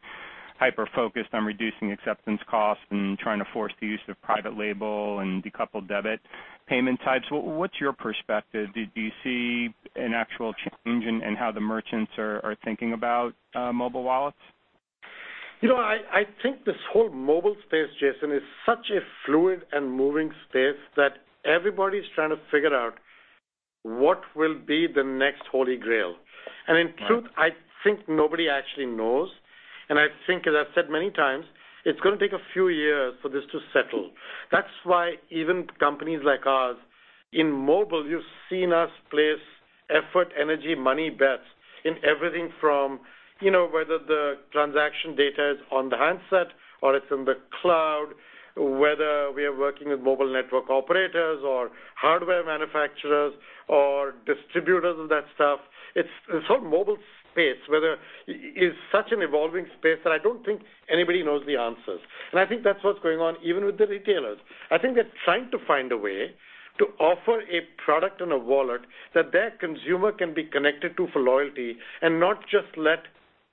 hyper-focused on reducing acceptance costs and trying to force the use of private label and decoupled debit payment types. What's your perspective? Do you see an actual change in how the merchants are thinking about mobile wallets? I think this whole mobile space, Jason, is such a fluid and moving space that everybody's trying to figure out what will be the next Holy Grail. In truth, I think nobody actually knows. I think, as I've said many times, it's going to take a few years for this to settle. That's why even companies like ours in mobile, you've seen us place effort, energy, money bets in everything from whether the transaction data is on the handset or it's in the cloud, whether we are working with mobile network operators or hardware manufacturers or distributors of that stuff. It's the whole mobile space, whether it's such an evolving space that I don't think anybody knows the answers. I think that's what's going on even with the retailers. I think they're trying to find a way to offer a product and a wallet that their consumer can be connected to for loyalty and not just let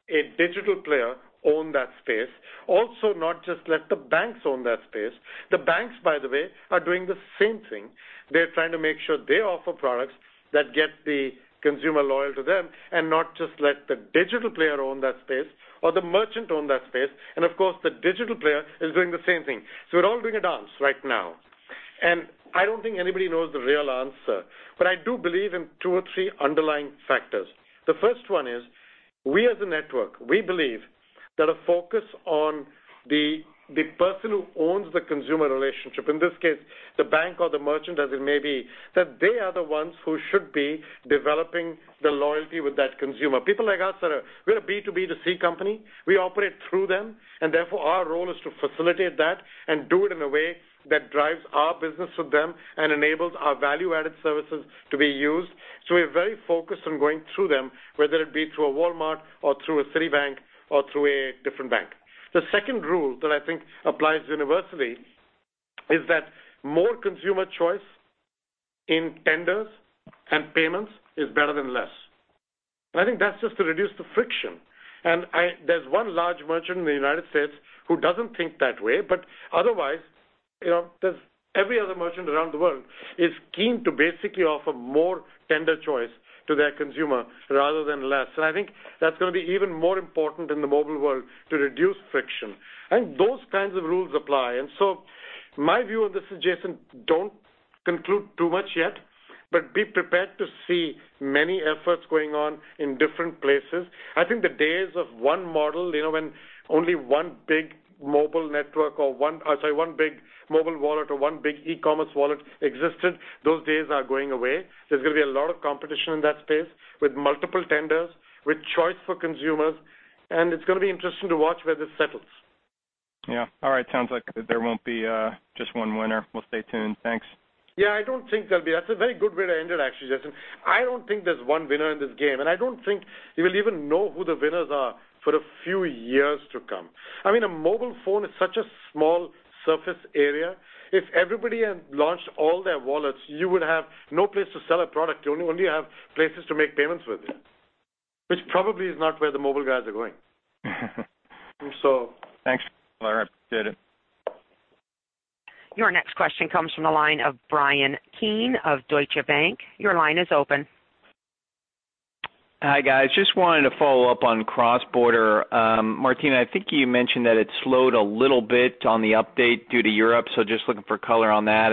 a digital player own that space. Also, not just let the banks own that space. The banks, by the way, are doing the same thing. They're trying to make sure they offer products that get the consumer loyal to them and not just let the digital player own that space or the merchant own that space. Of course, the digital player is doing the same thing. We're all doing a dance right now. I don't think anybody knows the real answer, but I do believe in two or three underlying factors. The first one is we as a network, we believe that a focus on the person who owns the consumer relationship, in this case, the bank or the merchant as it may be, that they are the ones who should be developing the loyalty with that consumer. People like us that are, we're a B2B2C company. We operate through them, and therefore our role is to facilitate that and do it in a way that drives our business with them and enables our value-added services to be used. We're very focused on going through them, whether it be through a Walmart or through a Citibank or through a different bank. The second rule that I think applies universally is that more consumer choice in tenders and payments is better than less. I think that's just to reduce the friction. There's one large merchant in the United States who doesn't think that way, but otherwise, every other merchant around the world is keen to basically offer more tender choice to their consumer rather than less. I think that's going to be even more important in the mobile world to reduce friction. Those kinds of rules apply. My view of this is, Jason, don't conclude too much yet, but be prepared to see many efforts going on in different places. I think the days of one model, when only one big mobile network or one big mobile wallet or one big e-commerce wallet existed, those days are going away. There's going to be a lot of competition in that space with multiple tenders, with choice for consumers, and it's going to be interesting to watch where this settles. Yeah. All right. Sounds like there won't be just one winner. We'll stay tuned. Thanks. That's a very good way to end it, actually, Jason. I don't think there's one winner in this game, and I don't think you will even know who the winners are for a few years to come. A mobile phone is such a small surface area. If everybody had launched all their wallets, you would have no place to sell a product. You only have places to make payments with, which probably is not where the mobile guys are going. Thanks. I appreciate it. Your next question comes from the line of Bryan Keane of Deutsche Bank. Your line is open. Hi, guys. Just wanted to follow up on cross-border. Martina, I think you mentioned that it slowed a little bit on the update due to Europe, just looking for color on that.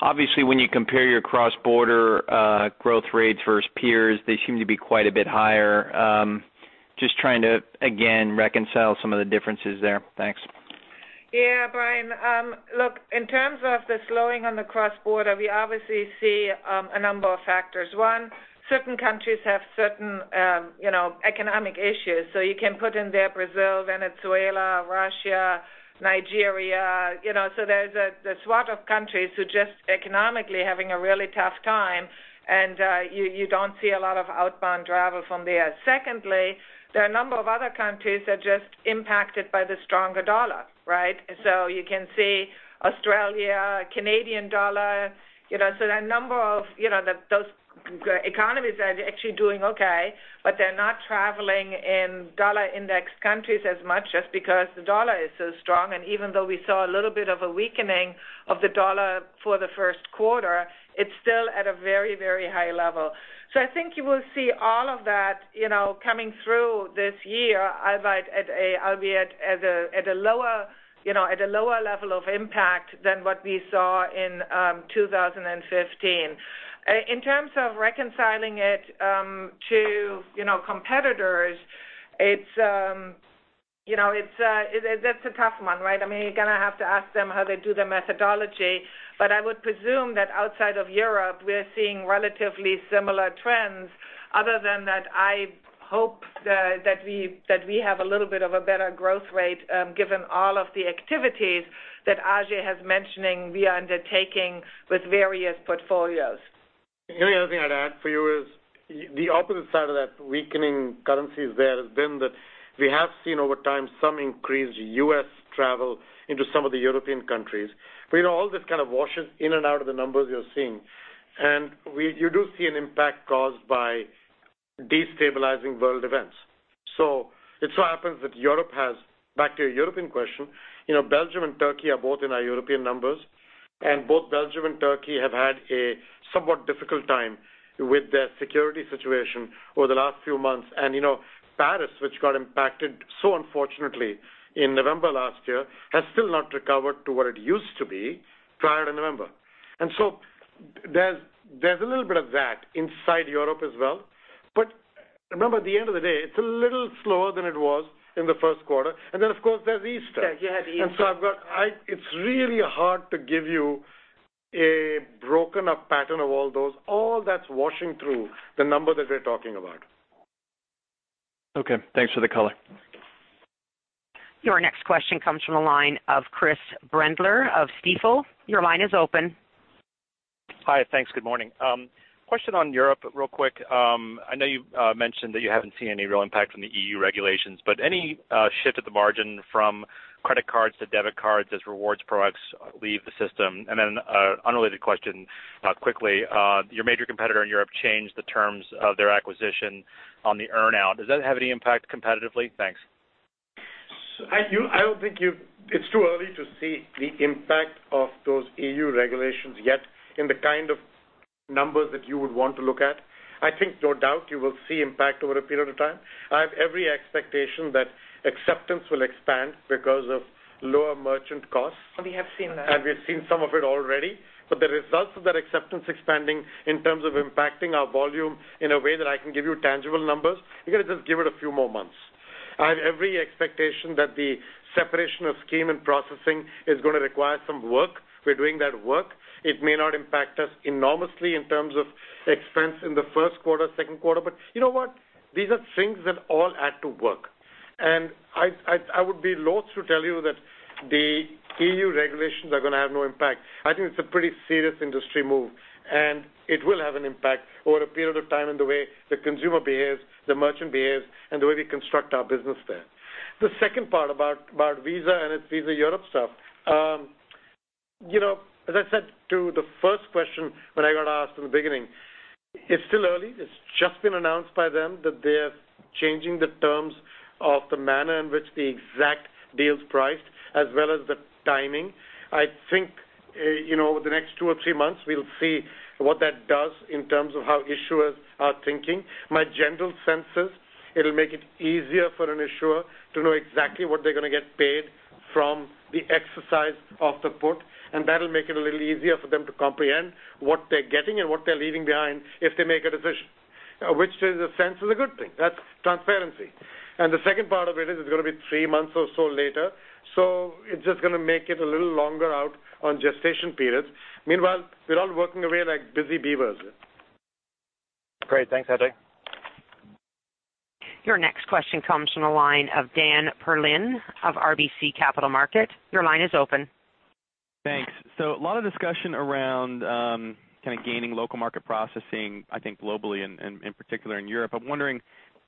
Obviously, when you compare your cross-border growth rates versus peers, they seem to be quite a bit higher. Just trying to, again, reconcile some of the differences there. Thanks. Bryan, in terms of the slowing on the cross-border, we obviously see a number of factors. One, certain countries have certain economic issues. You can put in there Brazil, Venezuela, Russia, Nigeria. There's a swath of countries who just economically are having a really tough time, and you don't see a lot of outbound travel from there. Secondly, there are a number of other countries that are just impacted by the stronger dollar, right? You can see Australia, Canadian dollar. There are a number of those economies that are actually doing okay, but they're not traveling in dollar index countries as much just because the dollar is so strong. Even though we saw a little bit of a weakening of the dollar for the first quarter, it's still at a very high level. I think you will see all of that coming through this year, albeit at a lower level of impact than what we saw in 2015. In terms of reconciling it to competitors, that's a tough one, right? You're going to have to ask them how they do their methodology. I would presume that outside of Europe, we're seeing relatively similar trends. Other than that, I hope that we have a little bit of a better growth rate given all of the activities that Ajay has mentioning we are undertaking with various portfolios. The only other thing I'd add for you is the opposite side of that weakening currencies there has been that we have seen over time some increased U.S. travel into some of the European countries. All this kind of washes in and out of the numbers you're seeing. You do see an impact caused by destabilizing world events. Back to your European question, Belgium and Turkey are both in our European numbers, and both Belgium and Turkey have had a somewhat difficult time with their security situation over the last few months. Paris, which got impacted so unfortunately in November last year, has still not recovered to what it used to be prior to November. There's a little bit of that inside Europe as well. Remember, at the end of the day, it's a little slower than it was in the first quarter. Then, of course, there's Easter. Yeah, you had Easter. It's really hard to give you a broken up pattern of all those. All that's washing through the number that we're talking about. Okay. Thanks for the color. Your next question comes from the line of Chris Brendler of Stifel. Your line is open. Hi. Thanks. Good morning. Question on Europe real quick. You mentioned that you haven't seen any real impact from the EU regulations, any shift at the margin from credit cards to debit cards as rewards products leave the system? An unrelated question quickly. Your major competitor in Europe changed the terms of their acquisition on the earn-out. Does that have any impact competitively? Thanks. It's too early to see the impact of those EU regulations yet in the kind of numbers that you would want to look at. I think no doubt you will see impact over a period of time. I have every expectation that acceptance will expand because of lower merchant costs. We have seen that. We've seen some of it already. The results of that acceptance expanding in terms of impacting our volume in a way that I can give you tangible numbers, you got to just give it a few more months. I have every expectation that the separation of scheme and processing is going to require some work. We're doing that work. It may not impact us enormously in terms of expense in the first quarter, second quarter. You know what? These are things that all add to work. I would be loath to tell you that the EU regulations are going to have no impact. I think it's a pretty serious industry move, and it will have an impact over a period of time in the way the consumer behaves, the merchant behaves, and the way we construct our business there. The second part about Visa and its Visa Europe stuff. As I said to the first question that I got asked in the beginning, it's still early. It's just been announced by them that they are changing the terms of the manner in which the exact deal is priced as well as the timing. I think over the next two or three months, we'll see what that does in terms of how issuers are thinking. My general sense is it'll make it easier for an issuer to know exactly what they're going to get paid from the exercise of the put, and that'll make it a little easier for them to comprehend what they're getting and what they're leaving behind if they make a decision, which in a sense is a good thing. That's transparency. The second part of it is going to be three months or so later. It's just going to make it a little longer out on gestation periods. Meanwhile, we're all working away like busy beavers. Great. Thanks, Ajay. Your next question comes from the line of Daniel Perlin of RBC Capital Markets. Your line is open. Thanks. A lot of discussion around kind of gaining local market processing, I think globally and in particular in Europe. I'm wondering,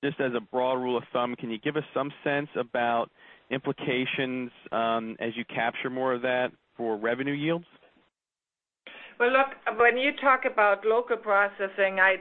just as a broad rule of thumb, can you give us some sense about implications as you capture more of that for revenue yields? Well, look, when you talk about local processing, I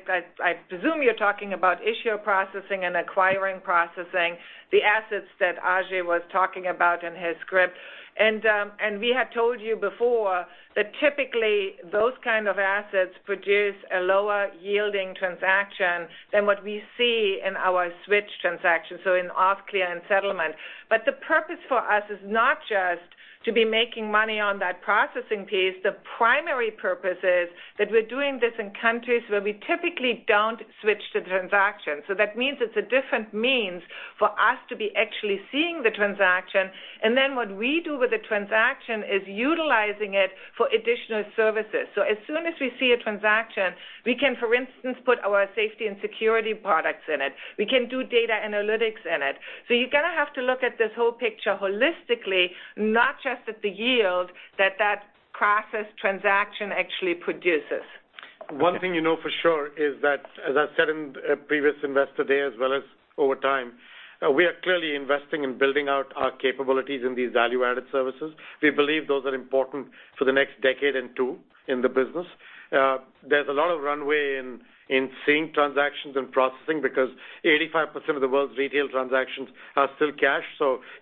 presume you're talking about issuer processing and acquiring processing, the assets that Ajay was talking about in his script. We had told you before that typically those kind of assets produce a lower yielding transaction than what we see in our switch transactions, so in auth, clear, and settlement. The purpose for us is not just to be making money on that processing piece. The primary purpose is that we're doing this in countries where we typically don't switch the transaction. That means it's a different means for us to be actually seeing the transaction. Then what we do with the transaction is utilizing it for additional services. As soon as we see a transaction, we can, for instance, put our safety and security products in it. We can do data analytics in it. You're going to have to look at this whole picture holistically, not just at the yield that that processed transaction actually produces. One thing you know for sure is that, as I said in a previous investor day as well as over time, we are clearly investing in building out our capabilities in these value-added services. We believe those are important for the next decade and two in the business. There's a lot of runway in seeing transactions and processing because 85% of the world's retail transactions are still cash.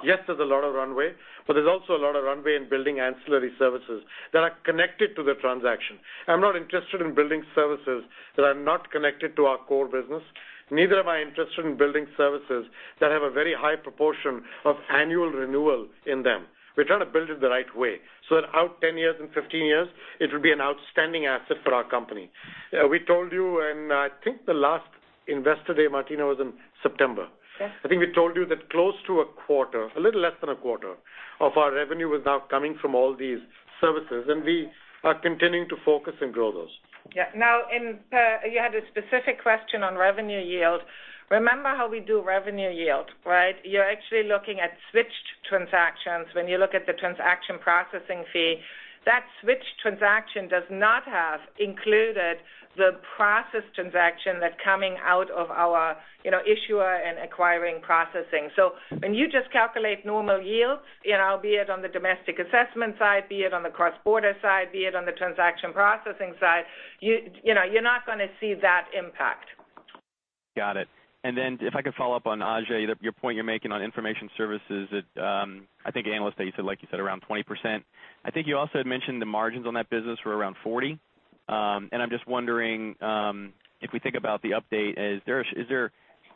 Yes, there's a lot of runway, but there's also a lot of runway in building ancillary services that are connected to the transaction. I'm not interested in building services that are not connected to our core business. Neither am I interested in building services that have a very high proportion of annual renewal in them. We're trying to build it the right way so that out 10 years and 15 years, it will be an outstanding asset for our company. We told you, I think the last investor day, Martina, was in September. Yes. I think we told you that close to a quarter, a little less than a quarter of our revenue is now coming from all these services, and we are continuing to focus and grow those. Yeah. Now, you had a specific question on revenue yield. Remember how we do revenue yield, right? You're actually looking at switched transactions when you look at the transaction processing fee. That switched transaction does not have included the processed transaction that's coming out of our issuer and acquiring processing. When you just calculate normal yields be it on the domestic assessment side, be it on the cross-border side, be it on the transaction processing side, you're not going to see that impact. Got it. Then if I could follow up on Ajay, your point you're making on information services that I think analysts say, like you said, around 20%. I think you also had mentioned the margins on that business were around 40%. I'm just wondering, if we think about the update, is there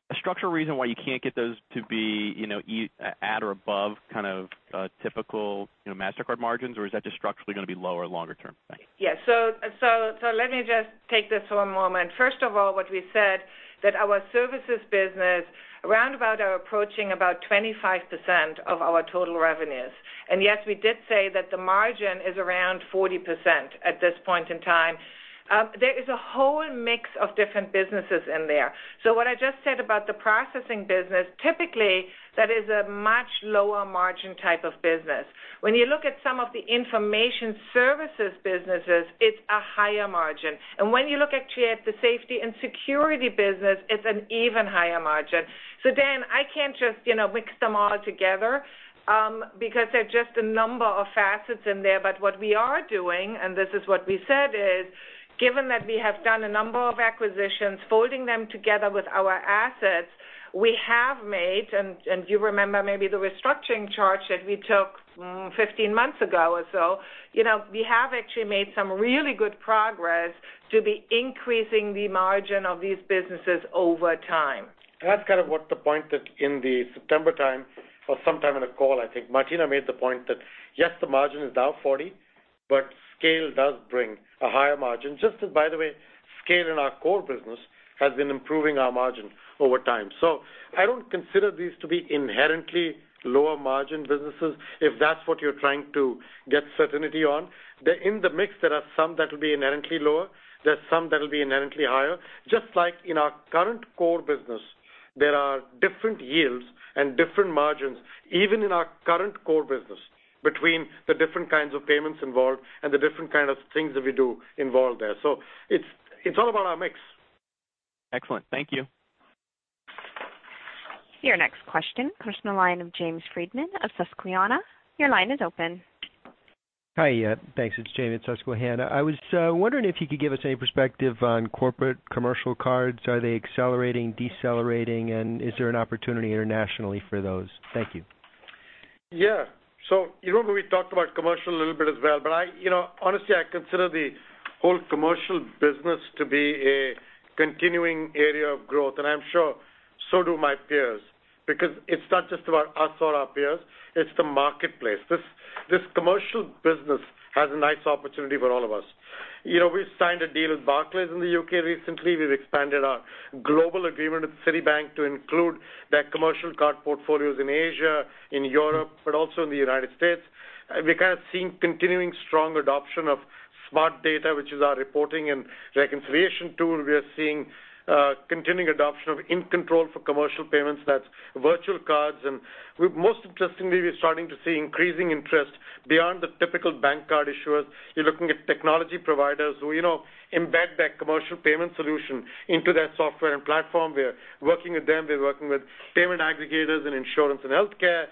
a structural reason why you can't get those to be at or above kind of typical Mastercard margins? Or is that just structurally going to be lower longer term? Thanks. Yeah. Let me just take this for a moment. First of all, what we said that our services business around about are approaching about 25% of our total revenues. Yes, we did say that the margin is around 40% at this point in time. There is a whole mix of different businesses in there. What I just said about the processing business, typically that is a much lower margin type of business. When you look at some of the information services businesses, it's a higher margin. When you look at the safety and security business, it's an even higher margin. Dan, I can't just mix them all together because there are just a number of facets in there. What we are doing, and this is what we said is, given that we have done a number of acquisitions, folding them together with our assets we have made, and you remember maybe the restructuring charge that we took 15 months ago or so. We have actually made some really good progress to be increasing the margin of these businesses over time. That's kind of what the point that in the September time or sometime in the call, I think Martina made the point that, yes, the margin is now 40, but scale does bring a higher margin. Just as by the way, scale in our core business has been improving our margin over time. I don't consider these to be inherently lower margin businesses, if that's what you're trying to get certainty on. In the mix, there are some that will be inherently lower. There are some that will be inherently higher. Just like in our current core business, there are different yields and different margins, even in our current core business, between the different kinds of payments involved and the different kind of things that we do involve there. It's all about our mix. Excellent. Thank you. Your next question comes from the line of James Friedman of Susquehanna. Your line is open. Hi. Yeah, thanks. It's James at Susquehanna. I was wondering if you could give us any perspective on corporate commercial cards. Are they accelerating, decelerating, is there an opportunity internationally for those? Thank you. Yeah. You remember we talked about commercial a little bit as well, but honestly, I consider the whole commercial business to be a continuing area of growth, and I'm sure so do my peers, because it's not just about us or our peers, it's the marketplace. This commercial business has a nice opportunity for all of us. We've signed a deal with Barclays in the U.K. recently. We've expanded our global agreement with Citibank to include their commercial card portfolios in Asia, in Europe, but also in the U.S. We're kind of seeing continuing strong adoption of Smart Data, which is our reporting and reconciliation tool. We are seeing continuing adoption of In Control for commercial payments. That's virtual cards. Most interestingly, we're starting to see increasing interest beyond the typical bank card issuers. You're looking at technology providers who embed that commercial payment solution into their software and platform. We're working with them. We're working with payment aggregators in insurance and healthcare.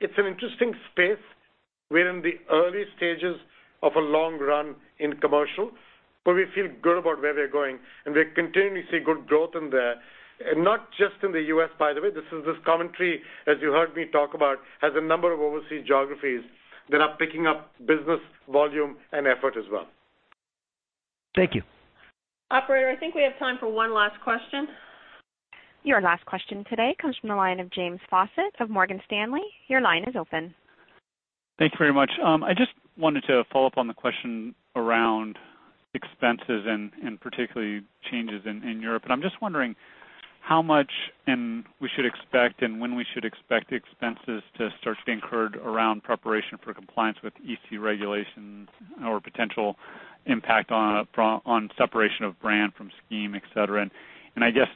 It's an interesting space. We're in the early stages of a long run in commercial, but we feel good about where we're going, and we continually see good growth in there. Not just in the U.S., by the way. This commentary, as you heard me talk about, has a number of overseas geographies that are picking up business volume and effort as well. Thank you. Operator, I think we have time for one last question. Your last question today comes from the line of James Faucette of Morgan Stanley. Your line is open. Thank you very much. I just wanted to follow up on the question around expenses and particularly changes in Europe. I'm just wondering how much we should expect and when we should expect expenses to start to be incurred around preparation for compliance with EC regulations or potential impact on separation of brand from scheme, et cetera. I guess,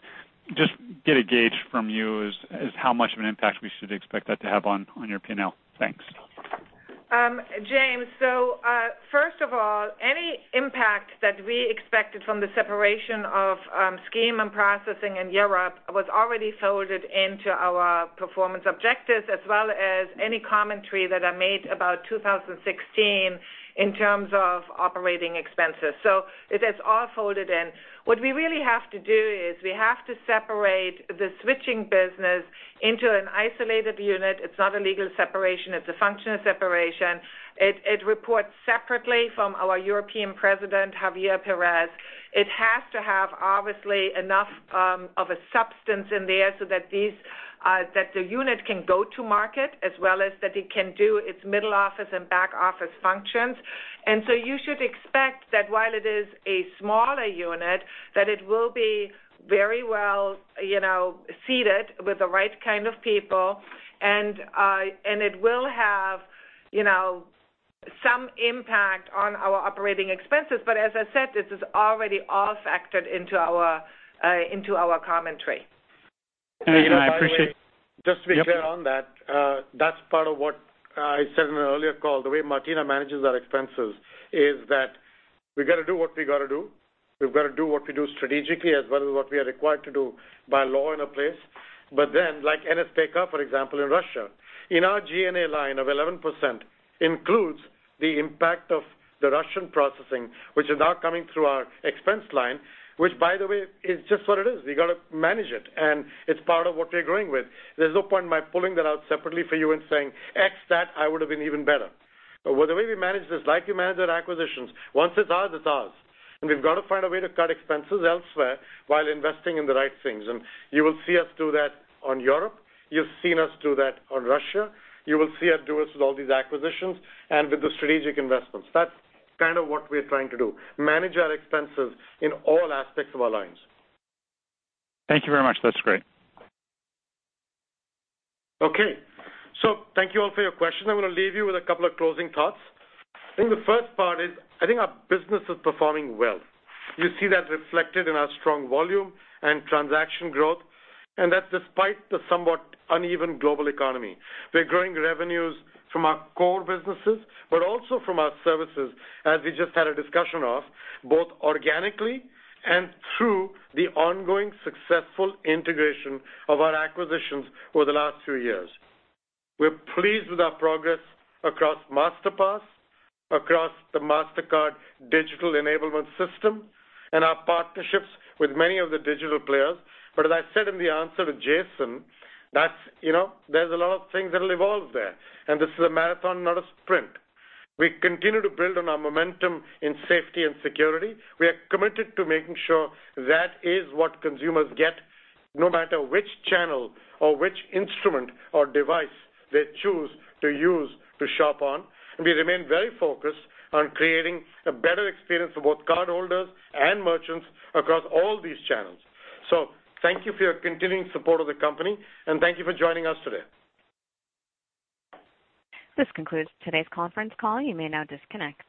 just to get a gauge from you is how much of an impact we should expect that to have on your P&L. Thanks. James. First of all, any impact that we expected from the separation of scheme and processing in Europe was already folded into our performance objectives as well as any commentary that I made about 2016 in terms of operating expenses. It is all folded in. What we really have to do is we have to separate the switching business into an isolated unit. It's not a legal separation. It's a functional separation. It reports separately from our European president, Javier Pérez. It has to have, obviously, enough of a substance in there so that the unit can go to market as well as that it can do its middle-office and back-office functions. You should expect that while it is a smaller unit, that it will be very well seated with the right kind of people. It will have some impact on our operating expenses. as I said, this is already all factored into our commentary. Thanks. I appreciate- by the way- Yep just to be clear on that's part of what I said in an earlier call. The way Martina manages our expenses is that we've got to do what we got to do. We've got to do what we do strategically as well as what we are required to do by law in a place, like NSPK, for example, in Russia. In our G&A line of 11%, includes the impact of the Russian processing, which is now coming through our expense line, which by the way, is just what it is. We've got to manage it, and it's part of what we're growing with. There's no point in my pulling that out separately for you and saying, "X that. I would've been even better." The way we manage this, like you manage your acquisitions, once it's ours, it's ours. We've got to find a way to cut expenses elsewhere while investing in the right things. You will see us do that on Europe. You've seen us do that on Russia. You will see us do this with all these acquisitions and with the strategic investments. That's kind of what we're trying to do, manage our expenses in all aspects of our lines. Thank you very much. That's great. Okay. Thank you all for your questions. I want to leave you with a couple of closing thoughts. I think the first part is, I think our business is performing well. You see that reflected in our strong volume and transaction growth, and that's despite the somewhat uneven global economy. We're growing revenues from our core businesses, but also from our services, as we just had a discussion of, both organically and through the ongoing successful integration of our acquisitions over the last few years. We're pleased with our progress across Masterpass, across the Mastercard Digital Enablement Service, and our partnerships with many of the digital players. As I said in the answer to Jason, there's a lot of things that'll evolve there, and this is a marathon, not a sprint. We continue to build on our momentum in safety and security. We are committed to making sure that is what consumers get, no matter which channel or which instrument or device they choose to use to shop on. We remain very focused on creating a better experience for both cardholders and merchants across all these channels. Thank you for your continuing support of the company, and thank you for joining us today. This concludes today's conference call. You may now disconnect.